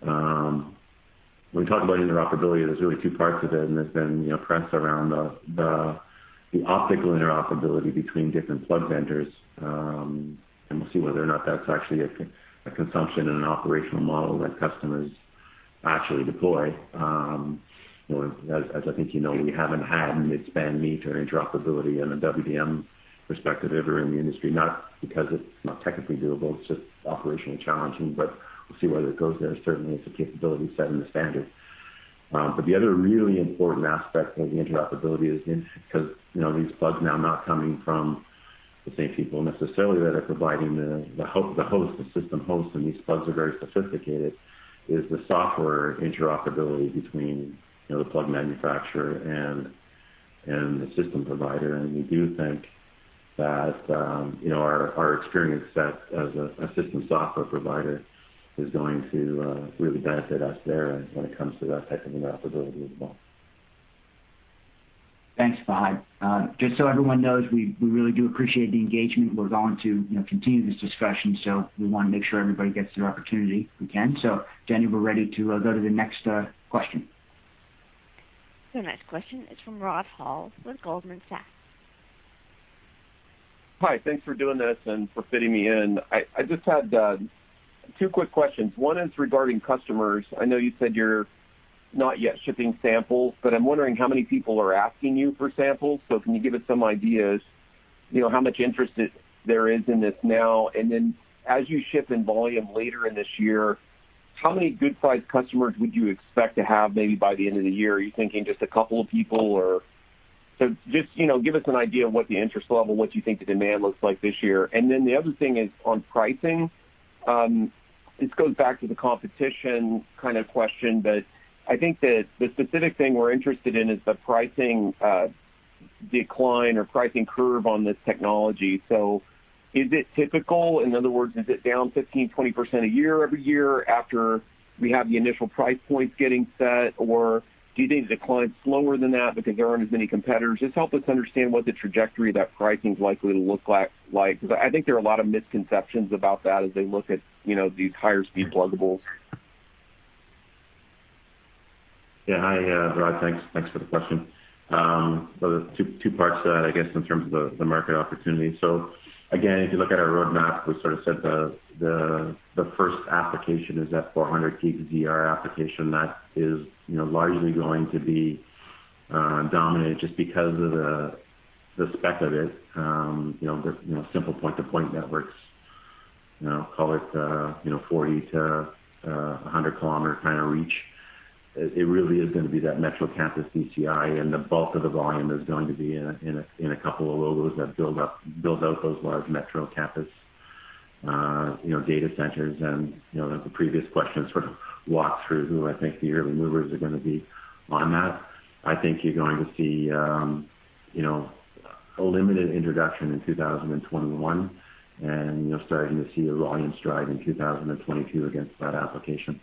When we talk about interoperability, there's really two parts of it, and there's been press around the optical interoperability between different plug vendors. And we'll see whether or not that's actually a consumption and an operational model that customers actually deploy. As I think you know, we haven't had mid-span meet or interoperability on a WDM perspective ever in the industry, not because it's not technically doable. It's just operationally challenging, but we'll see whether it goes there. Certainly, it's a capability set in the standard. But the other really important aspect of the interoperability is, because these plugs now are not coming from the same people necessarily that are providing the host, the system host, and these plugs are very sophisticated, the software interoperability between the plug manufacturer and the system provider. And we do think that our experience as a system software provider is going to really benefit us there when it comes to that type of interoperability as well. Thanks, Fahad. Just so everyone knows, we really do appreciate the engagement. We're going to continue this discussion, so we want to make sure everybody gets the opportunity we can. So Jenny, we're ready to go to the next question. The next question is from Rod Hall with Goldman Sachs. Hi. Thanks for doing this and for fitting me in. I just had two quick questions. One is regarding customers. I know you said you're not yet shipping samples, but I'm wondering how many people are asking you for samples. So can you give us some ideas how much interest there is in this now? And then as you ship in volume later in this year, how many good-sized customers would you expect to have maybe by the end of the year? Are you thinking just a couple of people? So just give us an idea of what the interest level, what you think the demand looks like this year. And then the other thing is on pricing. This goes back to the competition kind of question, but I think that the specific thing we're interested in is the pricing decline or pricing curve on this technology. So is it typical? In other words, is it down 15%-20% a year every year after we have the initial price points getting set? Or do you think it declines slower than that because there aren't as many competitors? Just help us understand what the trajectory of that pricing is likely to look like. Because I think there are a lot of misconceptions about that as they look at these higher-speed pluggables. Yeah. Hi, Rod. Thanks for the question. Two parts to that, I guess, in terms of the market opportunity. So again, if you look at our roadmap, we sort of said the first application is that 400 gig ZR application. That is largely going to be dominated just because of the spec of it. Simple point-to-point networks, call it 40-100 km kind of reach. It really is going to be that metro campus DCI, and the bulk of the volume is going to be in a couple of logos that build out those large metro campus data centers, and the previous question sort of walks through who I think the early movers are going to be on that. I think you're going to see a limited introduction in 2021, and you're starting to see a volume stride in 2022 against that application.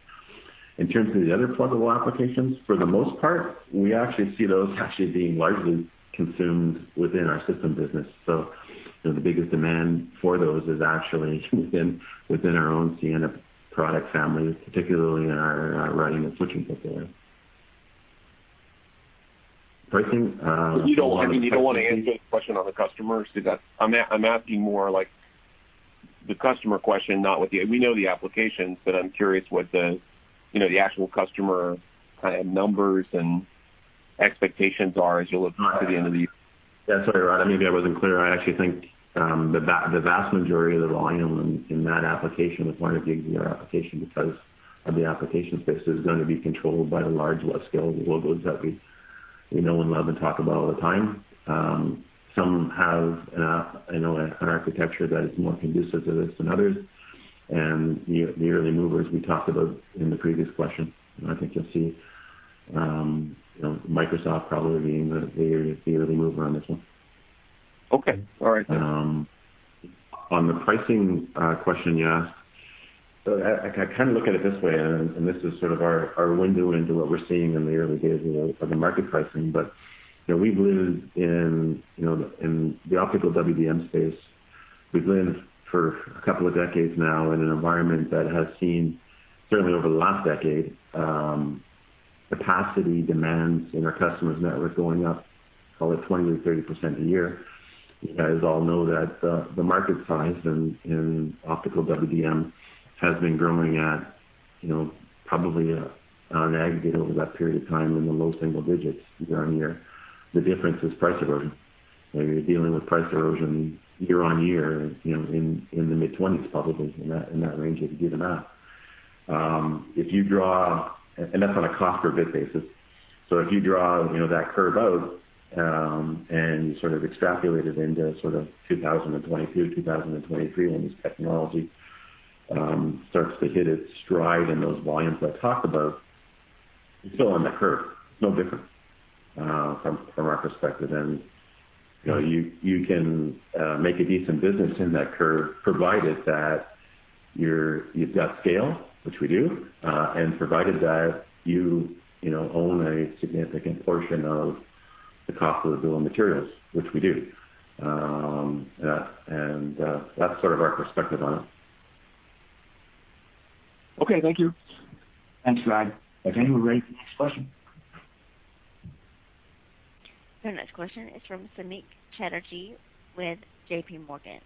In terms of the other pluggable applications, for the most part, we actually see those actually being largely consumed within our system business. So the biggest demand for those is actually within our own Ciena product family, particularly in our routing and switching portfolio. Pricing? I mean, you don't want to answer the question on the customers. I'm asking more like the customer question, not that we know the applications, but I'm curious what the actual customer kind of numbers and expectations are as you look to the end of the year. That's right, Rod. Maybe I wasn't clear. I actually think the vast majority of the volume in that application, the 400 gig ZR application, because of the application space, is going to be controlled by the large hyperscale logos that we know and love and talk about all the time. Some have an architecture that is more conducive to this than others. And the early movers we talked about in the previous question, I think you'll see Microsoft probably being the early mover on this one. Okay. All right. On the pricing question you asked, I kind of look at it this way, and this is sort of our window into what we're seeing in the early days of the market pricing. But we've lived in the optical WDM space. We've lived for a couple of decades now in an environment that has seen, certainly over the last decade, capacity demands in our customers' network going up, call it 20 or 30% a year. You guys all know that the market size in optical WDM has been growing at probably on aggregate over that period of time in the low single digits year on year. The difference is price erosion. You're dealing with price erosion year on year in the mid-20s%, probably in that range if you do the math. And that's on a cost per bit basis. So if you draw that curve out and you sort of extrapolate it into sort of 2022, 2023, when this technology starts to hit its stride in those volumes I talked about, you're still on that curve. It's no different from our perspective. And you can make a decent business in that curve, provided that you've got scale, which we do, and provided that you own a significant portion of the cost of the bill of materials, which we do. And that's sort of our perspective on it. Okay. Thank you. Thanks, Rod. Jenny, we're ready for the next question. So the next question is from Samik Chatterjee with JPMorgan.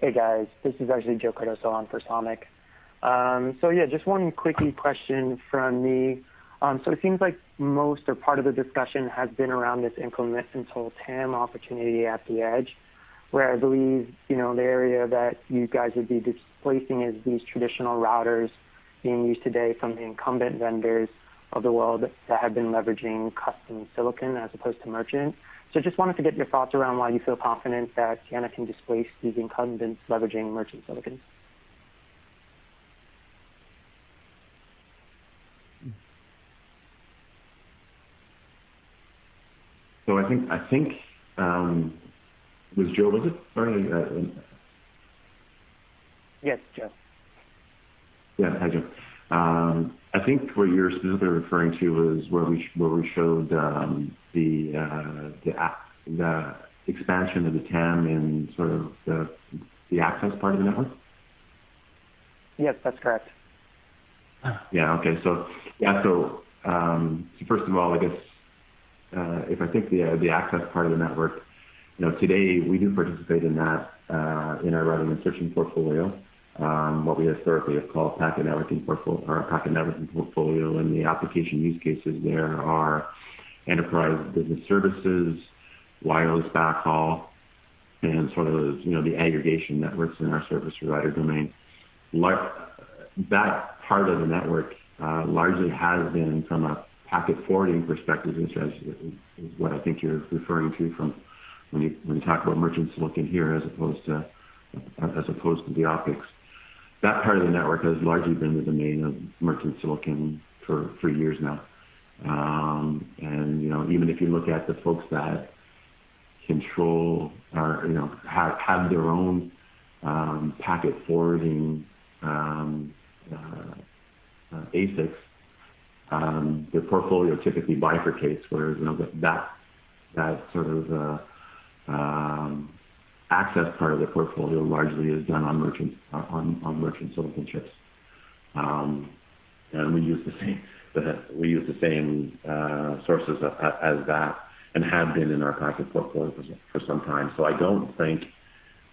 Hey, guys. This is actually Joe Cardoso on for Samik. So yeah, just one quickie question from me. So it seems like most or part of the discussion has been around this incumbent in total TAM opportunity at the edge, where I believe the area that you guys would be displacing is these traditional routers being used today from the incumbent vendors of the world that have been leveraging custom silicon as opposed to merchant. So just wanted to get your thoughts around why you feel confident that Ciena can displace these incumbents leveraging merchant silicon. So, I think it was Joe, was it? Yes, Joe. Yeah. Hi, Joe. I think what you're specifically referring to is where we showed the expansion of the TAM in sort of the access part of the network. Yes, that's correct. Yeah. Okay. So yeah, so first of all, I guess if I think the access part of the network, today we do participate in that in our routing and switching portfolio, what we historically have called packet networking portfolio or packet networking portfolio. In the application use cases, there are enterprise business services, wireless backhaul, and sort of the aggregation networks in our service provider domain. That part of the network largely has been from a packet forwarding perspective, which is what I think you're referring to from when you talk about merchant silicon here as opposed to the optics. That part of the network has largely been the domain of merchant silicon for years now. And even if you look at the folks that control or have their own packet forwarding ASICs, their portfolio typically bifurcates, whereas that sort of access part of the portfolio largely is done on merchant silicon chips. And we use the same sources as that and have been in our packet portfolio for some time. So I don't think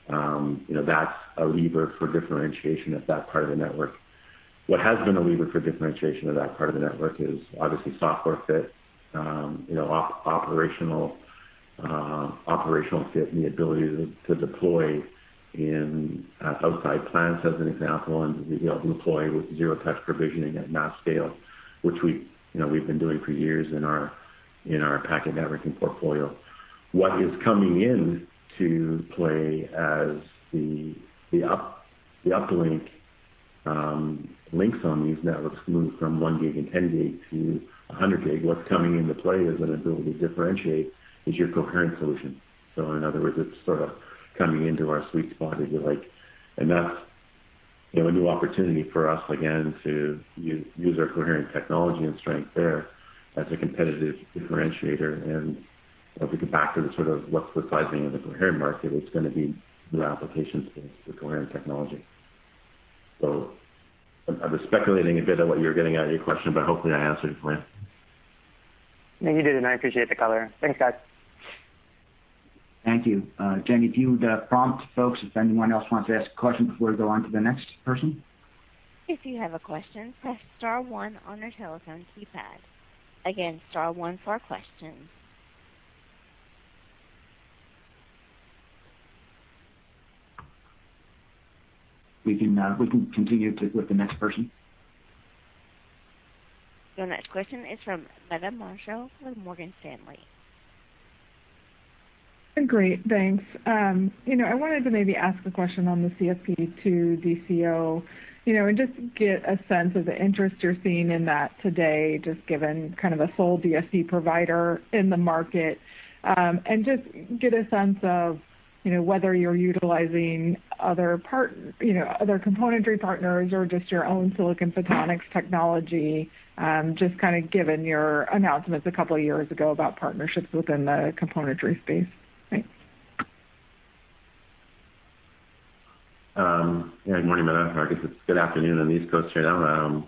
that's a lever for differentiation at that part of the network. What has been a lever for differentiation of that part of the network is obviously software fit, operational fit, and the ability to deploy in outside plants as an example, and we'll be able to deploy with zero-touch provisioning at mass scale, which we've been doing for years in our packet networking portfolio. What is coming into play as the uplink links on these networks move from one gig and 10 gig to 100 gig? What's coming into play is an ability to differentiate, is your coherent solution. So in other words, it's sort of coming into our sweet spot if you like. And that's a new opportunity for us again to use our coherent technology and strength there as a competitive differentiator. And if we go back to the sort of what's the sizing of the coherent market, it's going to be new applications for coherent technology. So I was speculating a bit of what you're getting out of your question, but hopefully I answered it for you. Thank you. I appreciate the color. Thanks, guys. Thank you. Jenny, do you prompt folks if anyone else wants to ask a question before we go on to the next person? If you have a question, press star one on your telephone keypad. Again, star one for questions. We can continue with the next person. The next question is from Meta Marshall with Morgan Stanley. Great. Thanks. I wanted to maybe ask a question on the CSP to DCO and just get a sense of the interest you're seeing in that today, just given kind of a sole DSP provider in the market, and just get a sense of whether you're utilizing other componentry partners or just your own silicon photonics technology, just kind of given your announcements a couple of years ago about partnerships within the componentry space. Thanks. Hey, good morning, Meta. I guess it's good afternoon on the East Coast right now.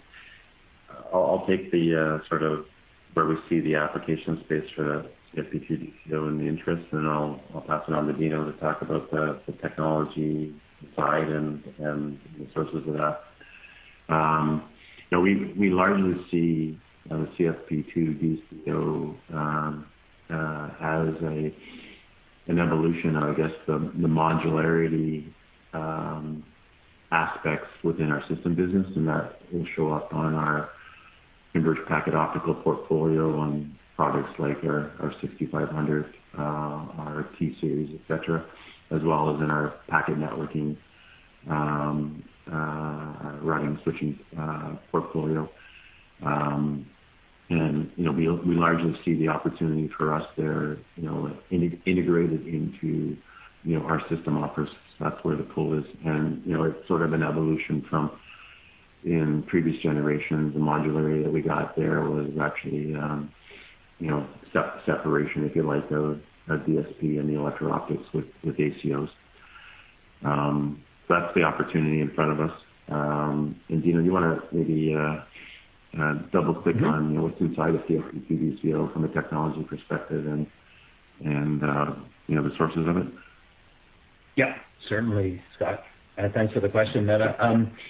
I'll take the sort of where we see the application space for the CSP to DCO and the interest, and then I'll pass it on to Dino to talk about the technology side and the sources of that. We largely see the CSP to DCO as an evolution of, I guess, the modularity aspects within our system business, and that will show up on our converged packet optical portfolio on products like our 6500, our T series, etc., as well as in our packet networking routing and switching portfolio. And we largely see the opportunity for us there integrated into our system offers. That's where the pull is. It's sort of an evolution from in previous generations, the modularity that we got there was actually separation, if you like, of DSP and the electro-optics with ACOs. So that's the opportunity in front of us. And, Dino, you want to maybe double-click on what's inside of ACO to DCO from a technology perspective and the sources of it? Yeah. Certainly, Scott. And thanks for the question, Meta.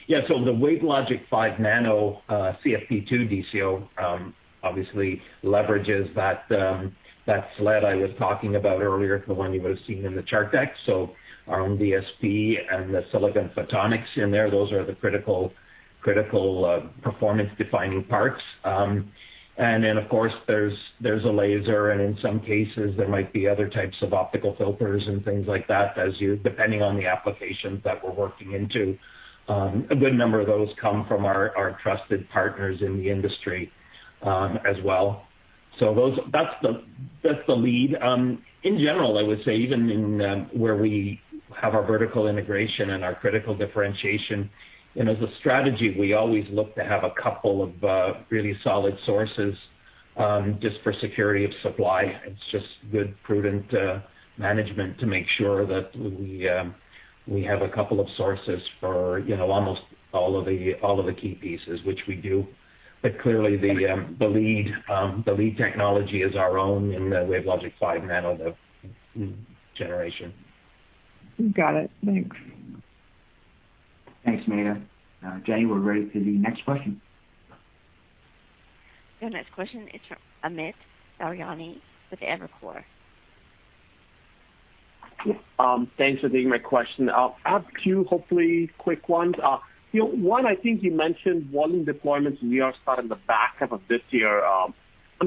Yeah. So the WaveLogic five Nano CSP to DCO obviously leverages that sled I was talking about earlier for the one you would have seen in the chart deck. So our own DSP and the silicon photonics in there, those are the critical performance-defining parts. And then, of course, there's a laser, and in some cases, there might be other types of optical filters and things like that, depending on the applications that we're working into. A good number of those come from our trusted partners in the industry as well. So that's the lead. In general, I would say, even where we have our vertical integration and our critical differentiation, as a strategy, we always look to have a couple of really solid sources just for security of supply. It's just good, prudent management to make sure that we have a couple of sources for almost all of the key pieces, which we do. But clearly, the lead technology is our own in the WaveLogic 5 Nano generation. Got it. Thanks. Thanks, Meta. Jenny, we're ready for the next question. The next question is from Amit Daryani with Evercore. Thanks for taking my question. I have two, hopefully, quick ones. One, I think you mentioned volume deployments. We're starting to ramp up this year. I'm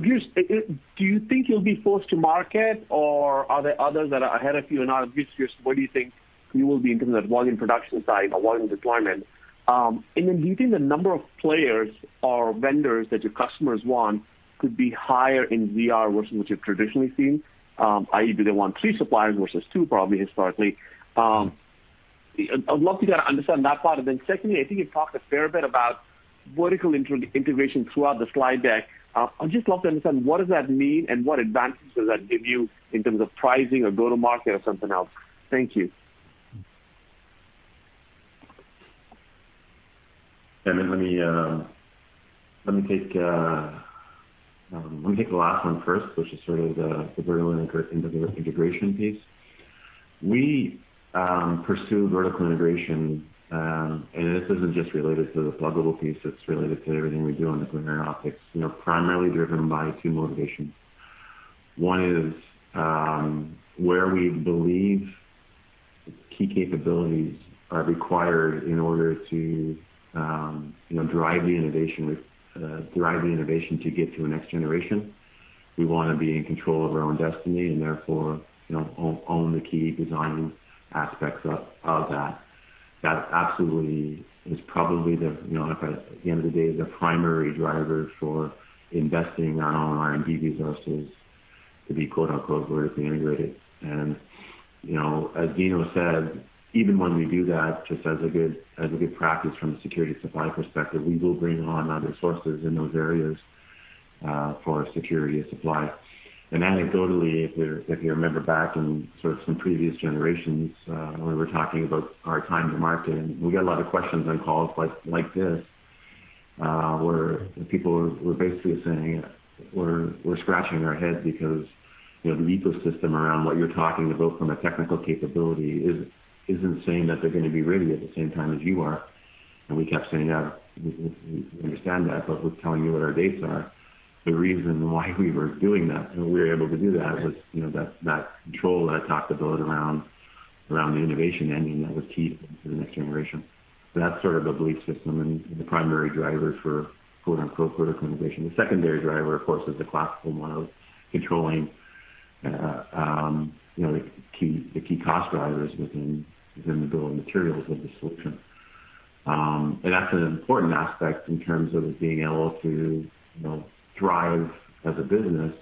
curious, do you think you'll be first to market, or are there others that are ahead of you or not? I'm just curious, what do you think? Will you be in that volume production side or volume deployment? And then do you think the number of players or vendors that your customers want could be higher in ZR versus what you've traditionally seen? I.e., do they want three suppliers versus two, probably historically? I'd love to kind of understand that part. And then secondly, I think you've talked a fair bit about vertical integration throughout the slide deck. I'd just love to understand what does that mean and what advantages does that give you in terms of pricing or go-to-market or something else? Thank you. And then let me take the last one first, which is sort of the vertical integration piece. We pursue vertical integration, and this isn't just related to the pluggable piece. It's related to everything we do on the coherent optics, primarily driven by two motivations. One is where we believe key capabilities are required in order to drive the innovation to get to the next generation. We want to be in control of our own destiny and therefore own the key design aspects of that. That absolutely is probably, at the end of the day, the primary driver for investing on our R&D resources to be "vertically integrated." And as Dino said, even when we do that, just as a good practice from a supply security perspective, we will bring on other sources in those areas for security of supply. Anecdotally, if you remember back in sort of some previous generations, when we were talking about our time to market, we got a lot of questions on calls like this where people were basically saying, "We're scratching our head because the ecosystem around what you're talking about from a technical capability isn't saying that they're going to be ready at the same time as you are." And we kept saying, "Yeah, we understand that, but we're telling you what our dates are." The reason why we were doing that, and we were able to do that, was that control that I talked about around the innovation engine that was key to the next generation. That's sort of the belief system and the primary driver for "vertical integration." The secondary driver, of course, is the classical model controlling the key cost drivers within the bill of materials of the solution. That's an important aspect in terms of being able to thrive as a business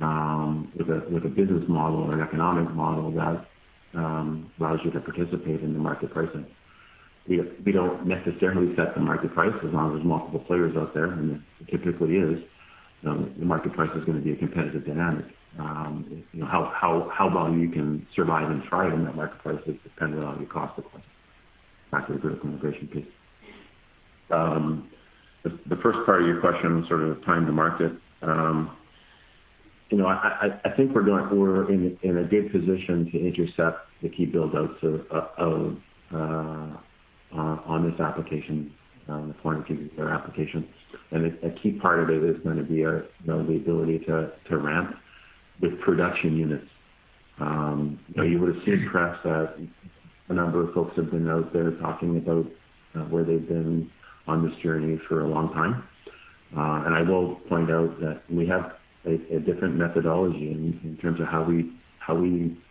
with a business model or an economic model that allows you to participate in the market pricing. We don't necessarily set the market price as long as there's multiple players out there, and it typically is. The market price is going to be a competitive dynamic. How well you can survive and thrive in that market price is dependent on your cost, of course, back to the vertical integration piece. The first part of your question was sort of time to market. I think we're in a good position to intercept the key buildouts on this application, the quantity of our application. A key part of it is going to be the ability to ramp with production units. You would have seen perhaps that a number of folks have been out there talking about where they've been on this journey for a long time, and I will point out that we have a different methodology in terms of how we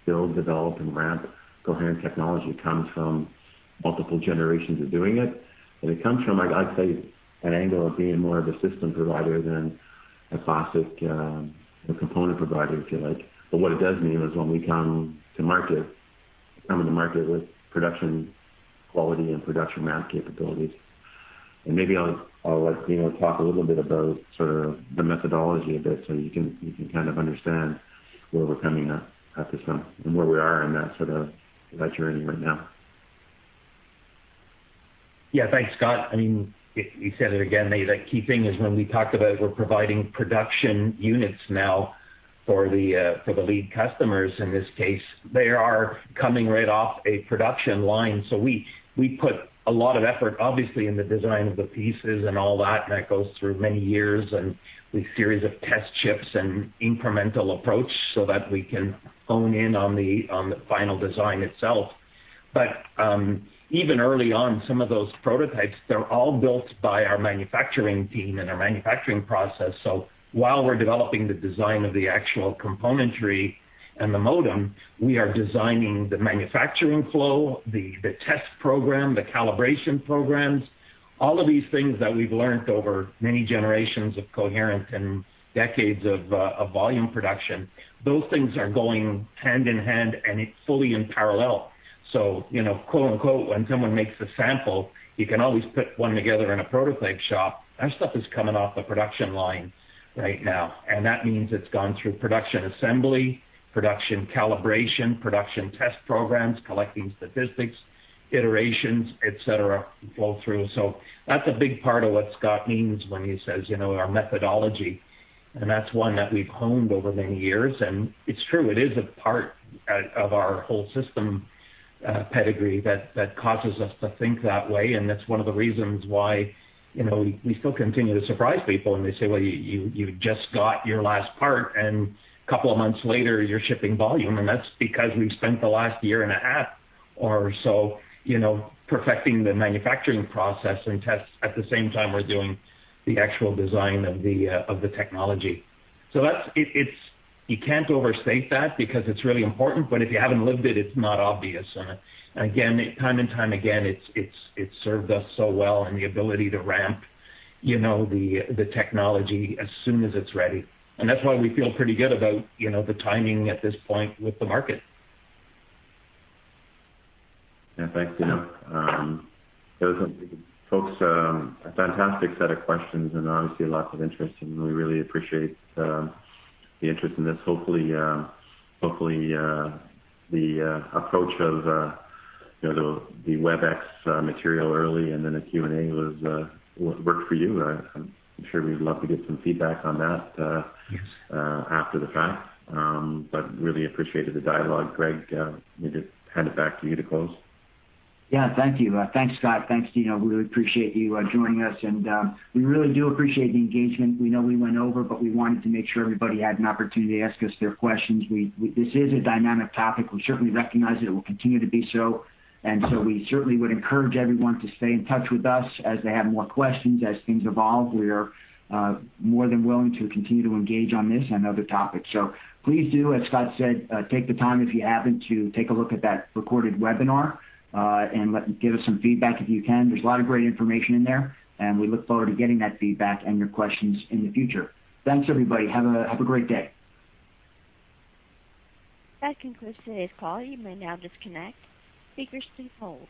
build, develop, and ramp coherent technology. It comes from multiple generations of doing it, and it comes from, I'd say, an angle of being more of a system provider than a classic component provider, if you like, but what it does mean is when we come to market, we come into market with production quality and production ramp capabilities, and maybe I'll let Dino talk a little bit about sort of the methodology of it so you can kind of understand where we're coming at this time and where we are in that sort of journey right now. Yeah. Thanks, Scott. I mean, you said it again. The key thing is when we talk about we're providing production units now for the lead customers. In this case, they are coming right off a production line. So we put a lot of effort, obviously, in the design of the pieces and all that, and that goes through many years, and we series of test chips and incremental approach so that we can hone in on the final design itself. But even early on, some of those prototypes, they're all built by our manufacturing team and our manufacturing process. So while we're developing the design of the actual componentry and the modem, we are designing the manufacturing flow, the test program, the calibration programs, all of these things that we've learned over many generations of coherent and decades of volume production. Those things are going hand in hand and fully in parallel. So "when someone makes a sample, you can always put one together in a prototype shop." Our stuff is coming off the production line right now. And that means it's gone through production assembly, production calibration, production test programs, collecting statistics, iterations, etc., flow through. So that's a big part of what Scott means when he says our methodology. And that's one that we've honed over many years. And it's true. It is a part of our whole system pedigree that causes us to think that way. And that's one of the reasons why we still continue to surprise people when they say, "Well, you just got your last part, and a couple of months later, you're shipping volume." And that's because we've spent the last year and a half or so perfecting the manufacturing process and tests at the same time we're doing the actual design of the technology. So you can't overstate that because it's really important, but if you haven't lived it, it's not obvious. And again, time and time again, it's served us so well in the ability to ramp the technology as soon as it's ready. And that's why we feel pretty good about the timing at this point with the market. Yeah. Thanks, Dino. Folks, a fantastic set of questions and obviously lots of interest. And we really appreciate the interest in this. Hopefully, the approach of the Webex material early and then the Q&A worked for you. I'm sure we'd love to get some feedback on that after the fact, but really appreciated the dialogue. Greg, maybe hand it back to you to close. Yeah. Thank you. Thanks, Scott. Thanks, Dino. We really appreciate you joining us. And we really do appreciate the engagement. We know we went over, but we wanted to make sure everybody had an opportunity to ask us their questions. This is a dynamic topic. We certainly recognize it. It will continue to be so. And so we certainly would encourage everyone to stay in touch with us as they have more questions, as things evolve. We are more than willing to continue to engage on this and other topics. So please do, as Scott said, take the time if you haven't to take a look at that recorded webinar and give us some feedback if you can. There's a lot of great information in there, and we look forward to getting that feedback and your questions in the future. Thanks, everybody. Have a great day. That concludes today's call. You may now disconnect. Thank you all.